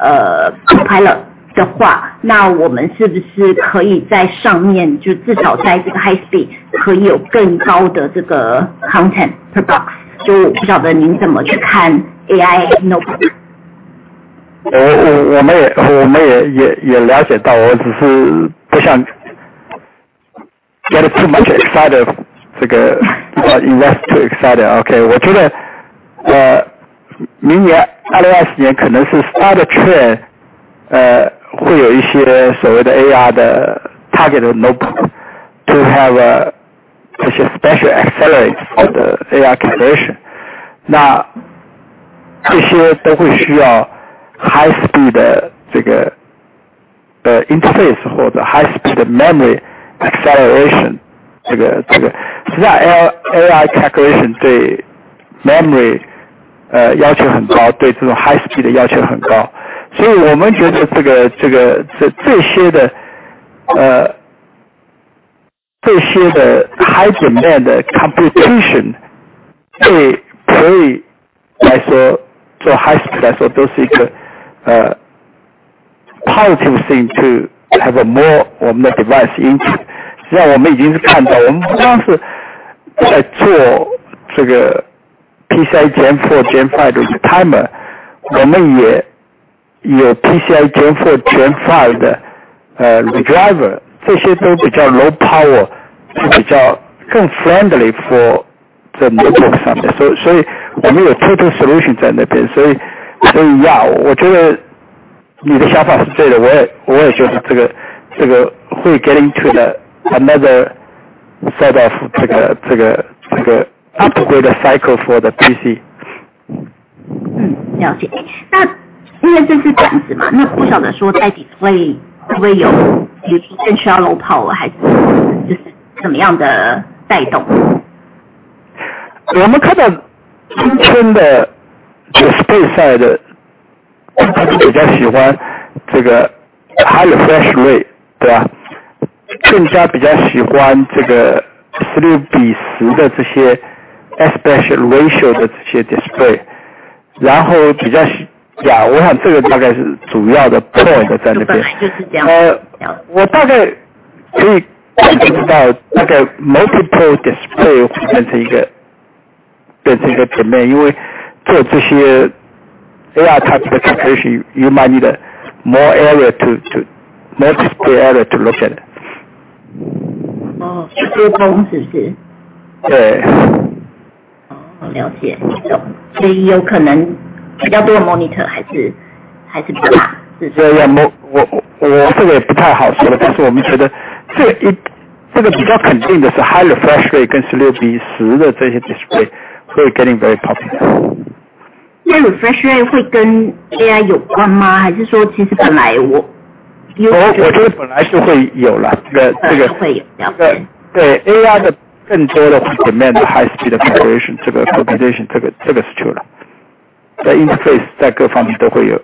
...这些的 high demand computation，可以说，做 high speed 来说，都是一个 positive thing to have a more 我们的 device into。那我们已经是看到，我们不光是在做这个 PCIe Gen 4, Gen 5的 retimer，我们也有 PCIe Gen 4, Gen 5 的... Driver, these are relatively low power, are relatively more friendly for the mobile phone. We have two solutions there. 要, I think your idea is correct. I also think this will get into another set of upgrade cycle for the PC. 了解。因为这样 子， 不晓得说在 display 会不会有尤其需要 low power， 还是怎么样的带 动？ We see today's display side, they all prefer this high refresh rate, yeah, and even more prefer these 16:10 aspect ratio displays, and then comparatively, I think this is probably the main point there. 本来就是这样。I don't know, 大概 multiple display 会变成一个 trend, 因为做这些 AI calculation, you might need a more area to more display area to look at. 哦, 多工, 是不是? 对. 哦， 了 解， 懂。所以有可能比较多的 monitor 还 是， 还是比较 大， 是不 是？ 对 对, 我这个也不太好 说, 但是我们觉得这个比较肯定的是 high refresh rate 跟 16:10 的这些 display 会 getting very popular. 那 refresh rate 会跟 AI 有关 吗？还 是说其实本来我-我觉得本来就会有 了. 会 有，了 解。对，AI 的更多的 demand，high speed 的 calculation， 这个 calculation 是 true， 在 interface 在各方面都会有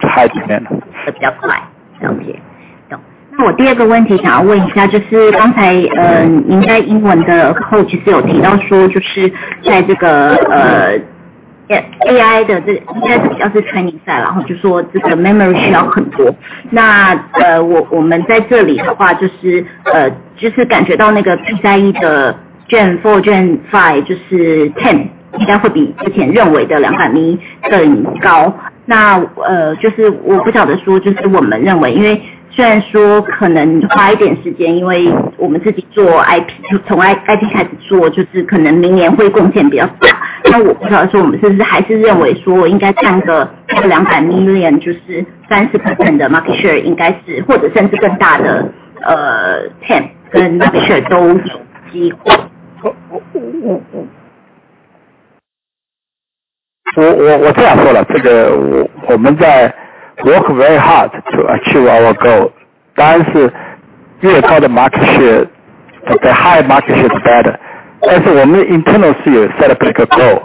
higher demand. 会比较 快, 了解. 那我 第二个问题想要问一下, 就是刚才, 您在英文的 call 其实有提到说, 就是在这个, AI 的, 这应该是比较是 training 侧, 然后就说这个 memory 需要很多, 那我们 在这里的话, 就是, 就是感觉到那个 PCIe Gen 4, Gen 5, 就是 TAM 应该会比之前认为的 $200 million 更高. 那, 就是我不知道说, 就是我们认为, 因为虽然说可能花一点时间, 因为我们自己做 IP, 从 IP 开始做, 就是可能明年会贡献比较大, 那我不知道说我们是不是还是认为说应该看个这个 $200 million, 就是 30% 的 market share 应该是, 或者甚至更大的, TAM 跟 market share 都有机会. 我这样 说了，这 个我们在 work very hard to achieve our goal. 当然是越高的 market share, the higher market share is better. 但是我们 internal 是有 set 一个 goal,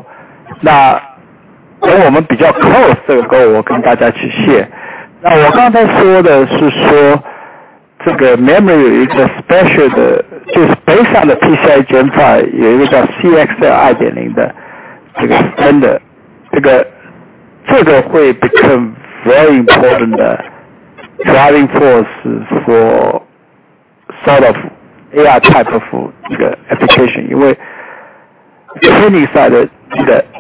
那我们比较 close 这个 goal, 我跟大家去 谢. 我刚才说的是 说，这 个 memory 有一个 special 的，就 是 based on the PCIe Gen 5，也 有一个叫 CXL 2.0 的 standard. 这个会 become very important 的 driving forces for sort of AI type of application，因 为 training 侧的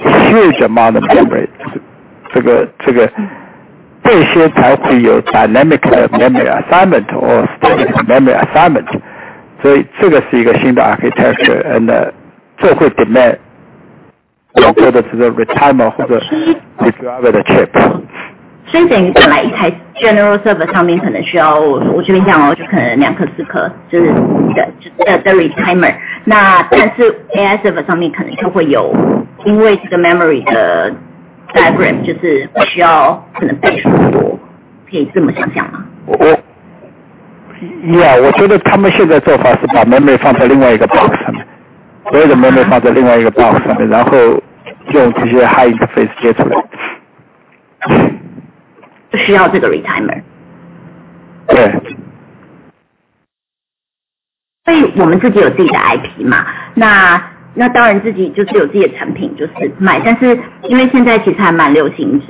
huge amount of memory，这 些才会有 dynamic memory assignment or static memory assignment. 所以这个是一个新的 architecture, 这会 demand 更多的 retimer 或者 driver 的 chip. It means originally on a general server, it might need, I'm telling you, it might be 2 颗, 4 颗, that is 的 retimer. On an AI server, it might have, because this memory 的 diagram, it needs maybe multiples more. Can I think of it this way? 我觉得他们现在做法是把 memory 放在另外一个 box 里 面, 所有的 memory 放在另外一个 box 里 面, 然后用这些 high interface 连 接. 需要这个 retimer. 对. 我们自己有自己的 IP. 当然自己有自己的产品就是 卖. 因为现在其实还蛮流行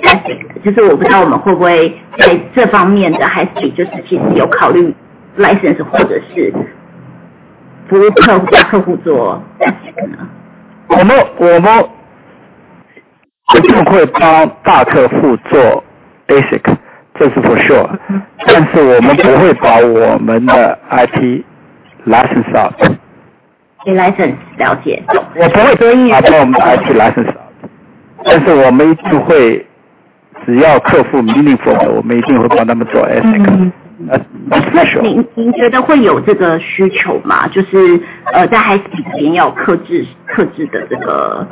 basic, 我不知道我们会不会在这方面 的, 还是其实有考虑 license, 或者是服务客 户, 帮客户做 basic 呢? 我们一定会帮大客户做 basic, 这是 for sure. 我们不会把我们的 IP license out. 给 license， 了解。我不会把我们的 IP license out， 但是我们一定 会， 只要客户 uniform， 我们一定会帮他们做 basic。嗯。那 您， 您觉得会有这个需求 吗？ 就 是， 呃， 在 high speed 里面有客 制， 客制的这 个...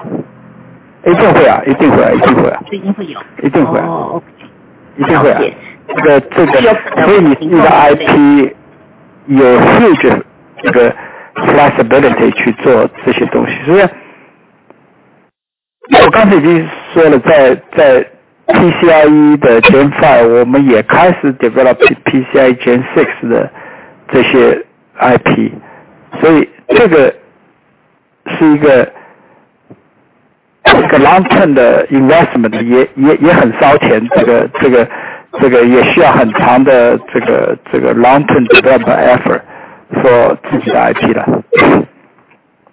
一定会 啊， 一定 会， 一定会。就一定会有。一定会。哦, OK. 一定会。这 个， 这 个， 所以你的 IP 有 feature， 这个 flexibility 去做这些东 西， 所以-...我刚才已经说 了， 在， 在 PCI-E 的 Gen5， 我们也开始 develop PCI Gen6 的这些 IP， 所以这个是一 个， 是一个 long term 的 investment， 也， 也， 也很烧 钱， 这 个， 这 个， 这个也需要很长的这 个， 这个 long term develop effort for 自己的 IP 的。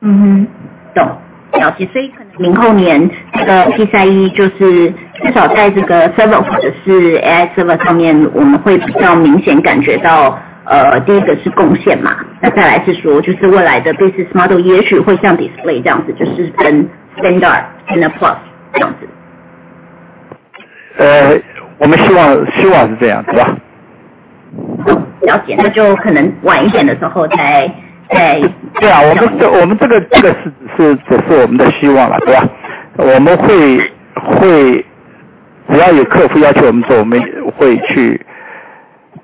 嗯， 懂。了 解， 所以明后年这个 PCI-E 就是至少在这个 server 或者是 AI server 上 面， 我们会比较明显感觉 到， 呃， 第一个是贡献 嘛， 那再来是 说， 就是未来的 business model 也许会像 display 这样子，就是跟 standard and plus 这样子。我们希 望， 希望是这 样， 对 吧？ 嗯， 了 解， 那就可能晚一点的时候 再， 再-对 啊， 我 们， 我们这 个， 这个 是， 是， 只是我们的希望 啦， 对 吧？ 我们 会， 会， 只要有客户要求我们 做， 我们会 去，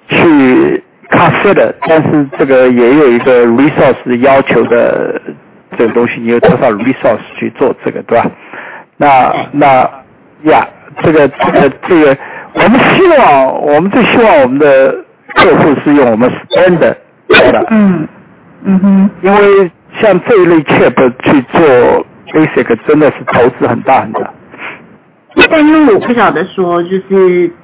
去考虑 的， 但是这个也有一个 resource 要求的这个东 西， 你要多少 resource 去做这 个， 对 吧？ 那， 那 ，yeah， 这 个， 这 个， 这个我们希 望， 我们最希望我们的客户是用我们 standard 的。嗯， 嗯哼。因为像这一类 chip 去做 basic 真的是投资很大很 大. 我不晓得 说，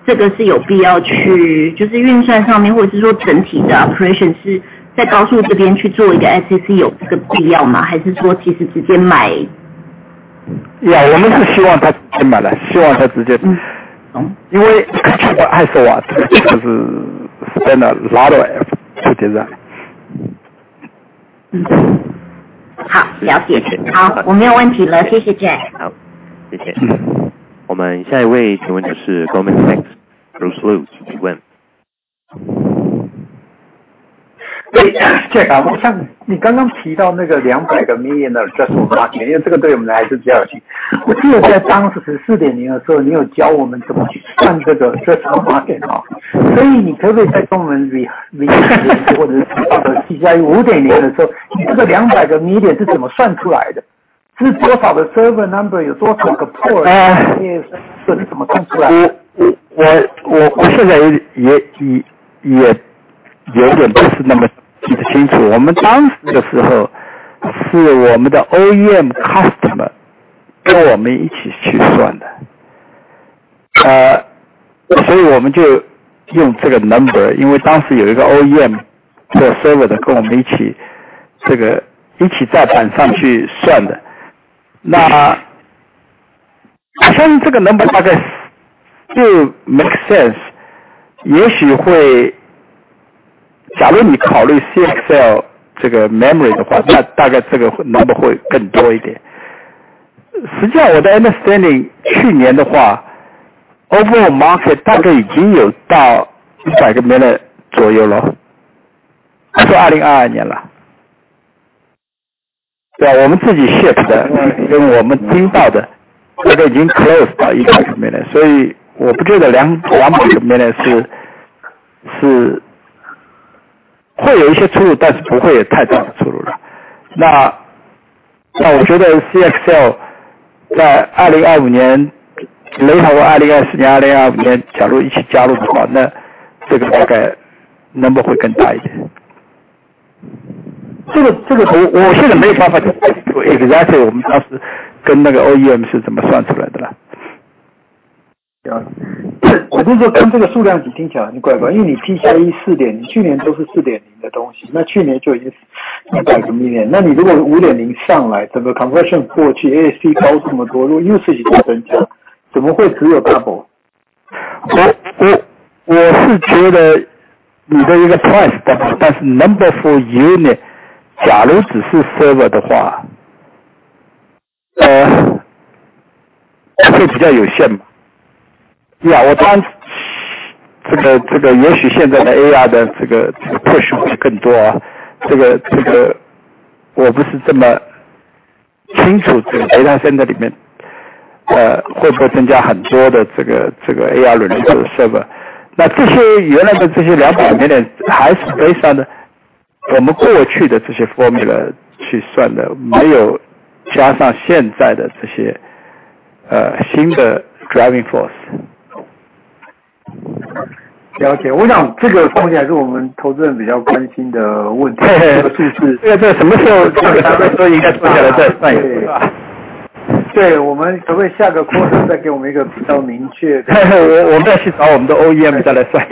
这个是有必要 去， 就是运算上 面， 或是说整体的 operation 是在高处这边去做一个 ICC， 有这个必要 吗？ 还是说其实直接 买？ 我们是希望他去买 的, 希望他直 接, 因为 I said what, 就是 spend a lot of effort 去 做. 好， 了解。好， 我没有问题 了， 谢谢 Jack。好， 谢谢。我们下一位请问的是 Goldman Sachs，Bruce Lu， 请问。Jack 啊， 我想你刚刚提到那个两百个 million 的 address market， 因为这个对我们来说比较有兴趣。我记得在当时十四点零的时 候， 你有教我们怎么去看这个 address market， 所以你可不可以在我们 比， 比或者是 PCI-E 五点零的时 候， 你这个两百个 million 是怎么算出来 的？ 是多少的 server number， 有多少个 port？ 这是怎么算出 来？ 我 现在也有点不是那么记得清楚。我们当时的时候，是我们的 OEM customer 跟我们一起去算的，所以我们就用这个 number，因为当时有一个 OEM 做 server 的跟我们一起，一起在板上去算的，那... 现在这个 number 大概就 make sense. 也许会, 假如你考虑 CXL 这个 memory 的话, 那大概这个 number 会更多一点. 实际上我的 understanding, 去年 的话, overall market 大概已经有到 $100 million 左右了, 是2022 年啦. 对啊, 我们自己 shape 的, 跟我们听到的, 这个已经 close 到 $100 million, 所以我不记得 $200 million 是, 是... 会有一些出 入， 但是不会有太大的出入了。我觉得 CXL 在2025 年， 雷汤和2024年、2025 年假如一起加入的 话， 这个大概 number 会更大一点。这个我现在没有办法去 exactly 我们当时跟那个 OEM 是怎么算出来的啦。行， 我是说看这个数量听起来很怪 怪， 因为你 PCI-E 4.0， 去年都是 4.0 的东 西， 那去年就已经两百个 million， 那你如果五点零上 来， 整个 conversion 过 去， ASC 高这么 多， 又是一大生 气， 怎么会只有 double？ 我是觉得你的一个 price， 但是 number for unit， 假如只是 server 的 话， 会比较有限嘛 ？Yeah， 我 当， 也许现在的 AI 的 push 会更 多， 我不是这么清 楚， data center 里 面， 会不会增加很多的 AI related server， 那这些原来的这些 $200 million 还是 based on 我们过去的这些 formula 去算 的， 没有加上现在的这些新的 driving force。了 解， 我想这个目前还是我们投资人比较关心的问题-这个数字。因为这什么时候应该出来再算一算。对, 我们可不可以下个 quarter 再给我们一个比较明确 的? 我们要去找我们的 OEM 再來 算.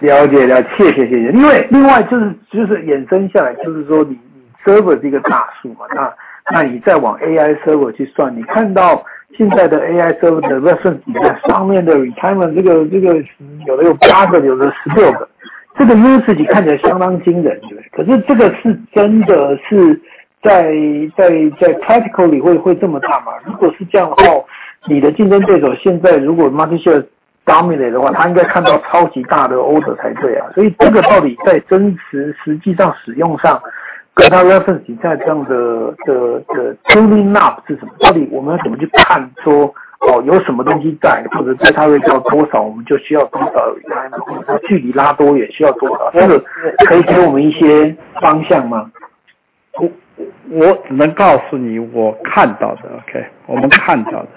了解 了，谢 谢，谢 谢。另外衍生下 来，就 是说你 server 的一个大 数，你 再往 AI server 去 算，你 看到现在的 AI server 的 reference 里面的上面的 retimer，有 的有8 个，有 的16 个，unit 自己看起来相当惊 人，这 个是真的是在 practical 里会怎么大 吗？如 果是这样的 话，你 的竞争对手现在如果 market share dominate 的 话，他 应该看到超级大的 order 才对 啊，这 个到底在真实实际上使用 上，跟 他 reference 已经在这样的 tuning lab 是怎 么，到 底我们要怎么去看 说...... 哦， 有什么东西 在， 或者 data rate 要多 少， 我们就需要多 少， 距离拉多远需要多 少， 但是可以给我们一些方向 吗？ 我， 我只能告诉你我看到的 ，OK， 我们看到的。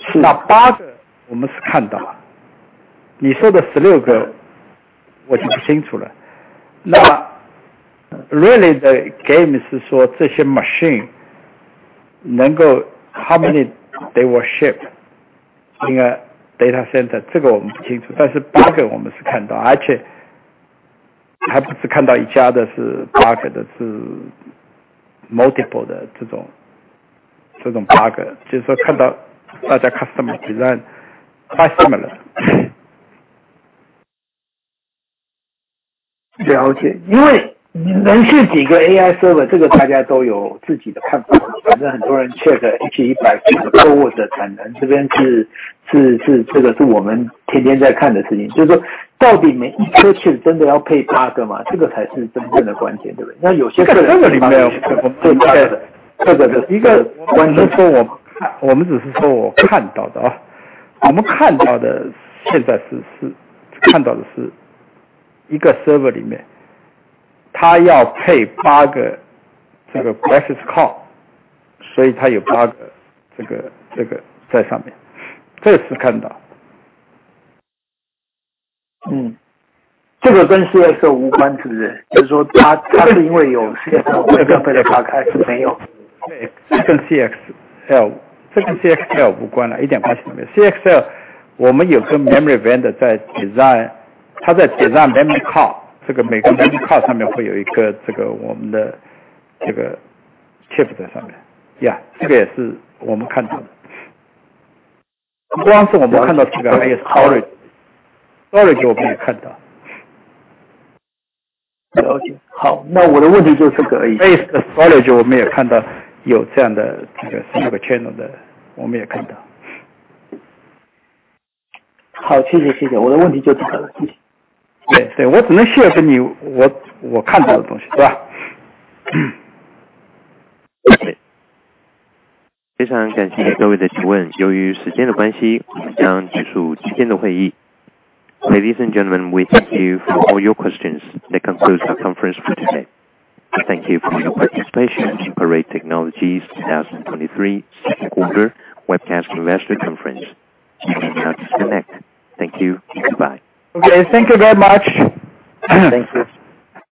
是. 8个我们是看到，你说的16个我就不清楚了。really 的 game 是说这些 machine 能够 how many they will ship， 应该 data center， 这个我们不清 楚， 但是 8个 我们是看 到， 而且还不是看到一家的是 8个， 的是 multiple 的这 种， 这种 8个， 就是说看到大家 customer design quite similar. 了 解， 因为能是几个 AI server， 这个大家都有自己的看 法， 反正很多人确认 H100 forward 的产 能， 这边是是 是， 这个是我们天天在看的事 情， 就是说到底每一颗 chip 真的要配8个 吗？ 这个才是真正的关 键， 对不 对？ 那有些-这个里 面， 这个的一 个， 我们说 我， 我们只是说我看到的 啊， 我们看到的现在 是， 是， 看到的是一个 server 里面，它要配八个这个 Grace card， 所以它有八个这 个， 这个在上 面， 这是看到。嗯， 这个跟 CXL 无 关， 是不 是？ 就是说 它， 它是因为有 CXL， 所以被它打 开， 没有。对, 这个 CXL, 这跟 CXL 无关 了, 一点关系都没 有. CXL 我们有个 memory vendor 在 design, 他在 design memory card, 这个每个 memory card 上面会有一个这 个, 我们的这个 chip 在上 面, 呀, 这个也是我们看到 的. 不光是我们看到这 个, IS storage, storage 我们也看 到. 了解。好， 那我的问题就这个而已。Storage, 我们也 看到, 有这样的这个 channel 的, 我们也 看到. 好， 谢 谢， 谢 谢， 我的问题就这个了。谢谢。对， 对， 我只能 share 给 你， 我， 我看到的东西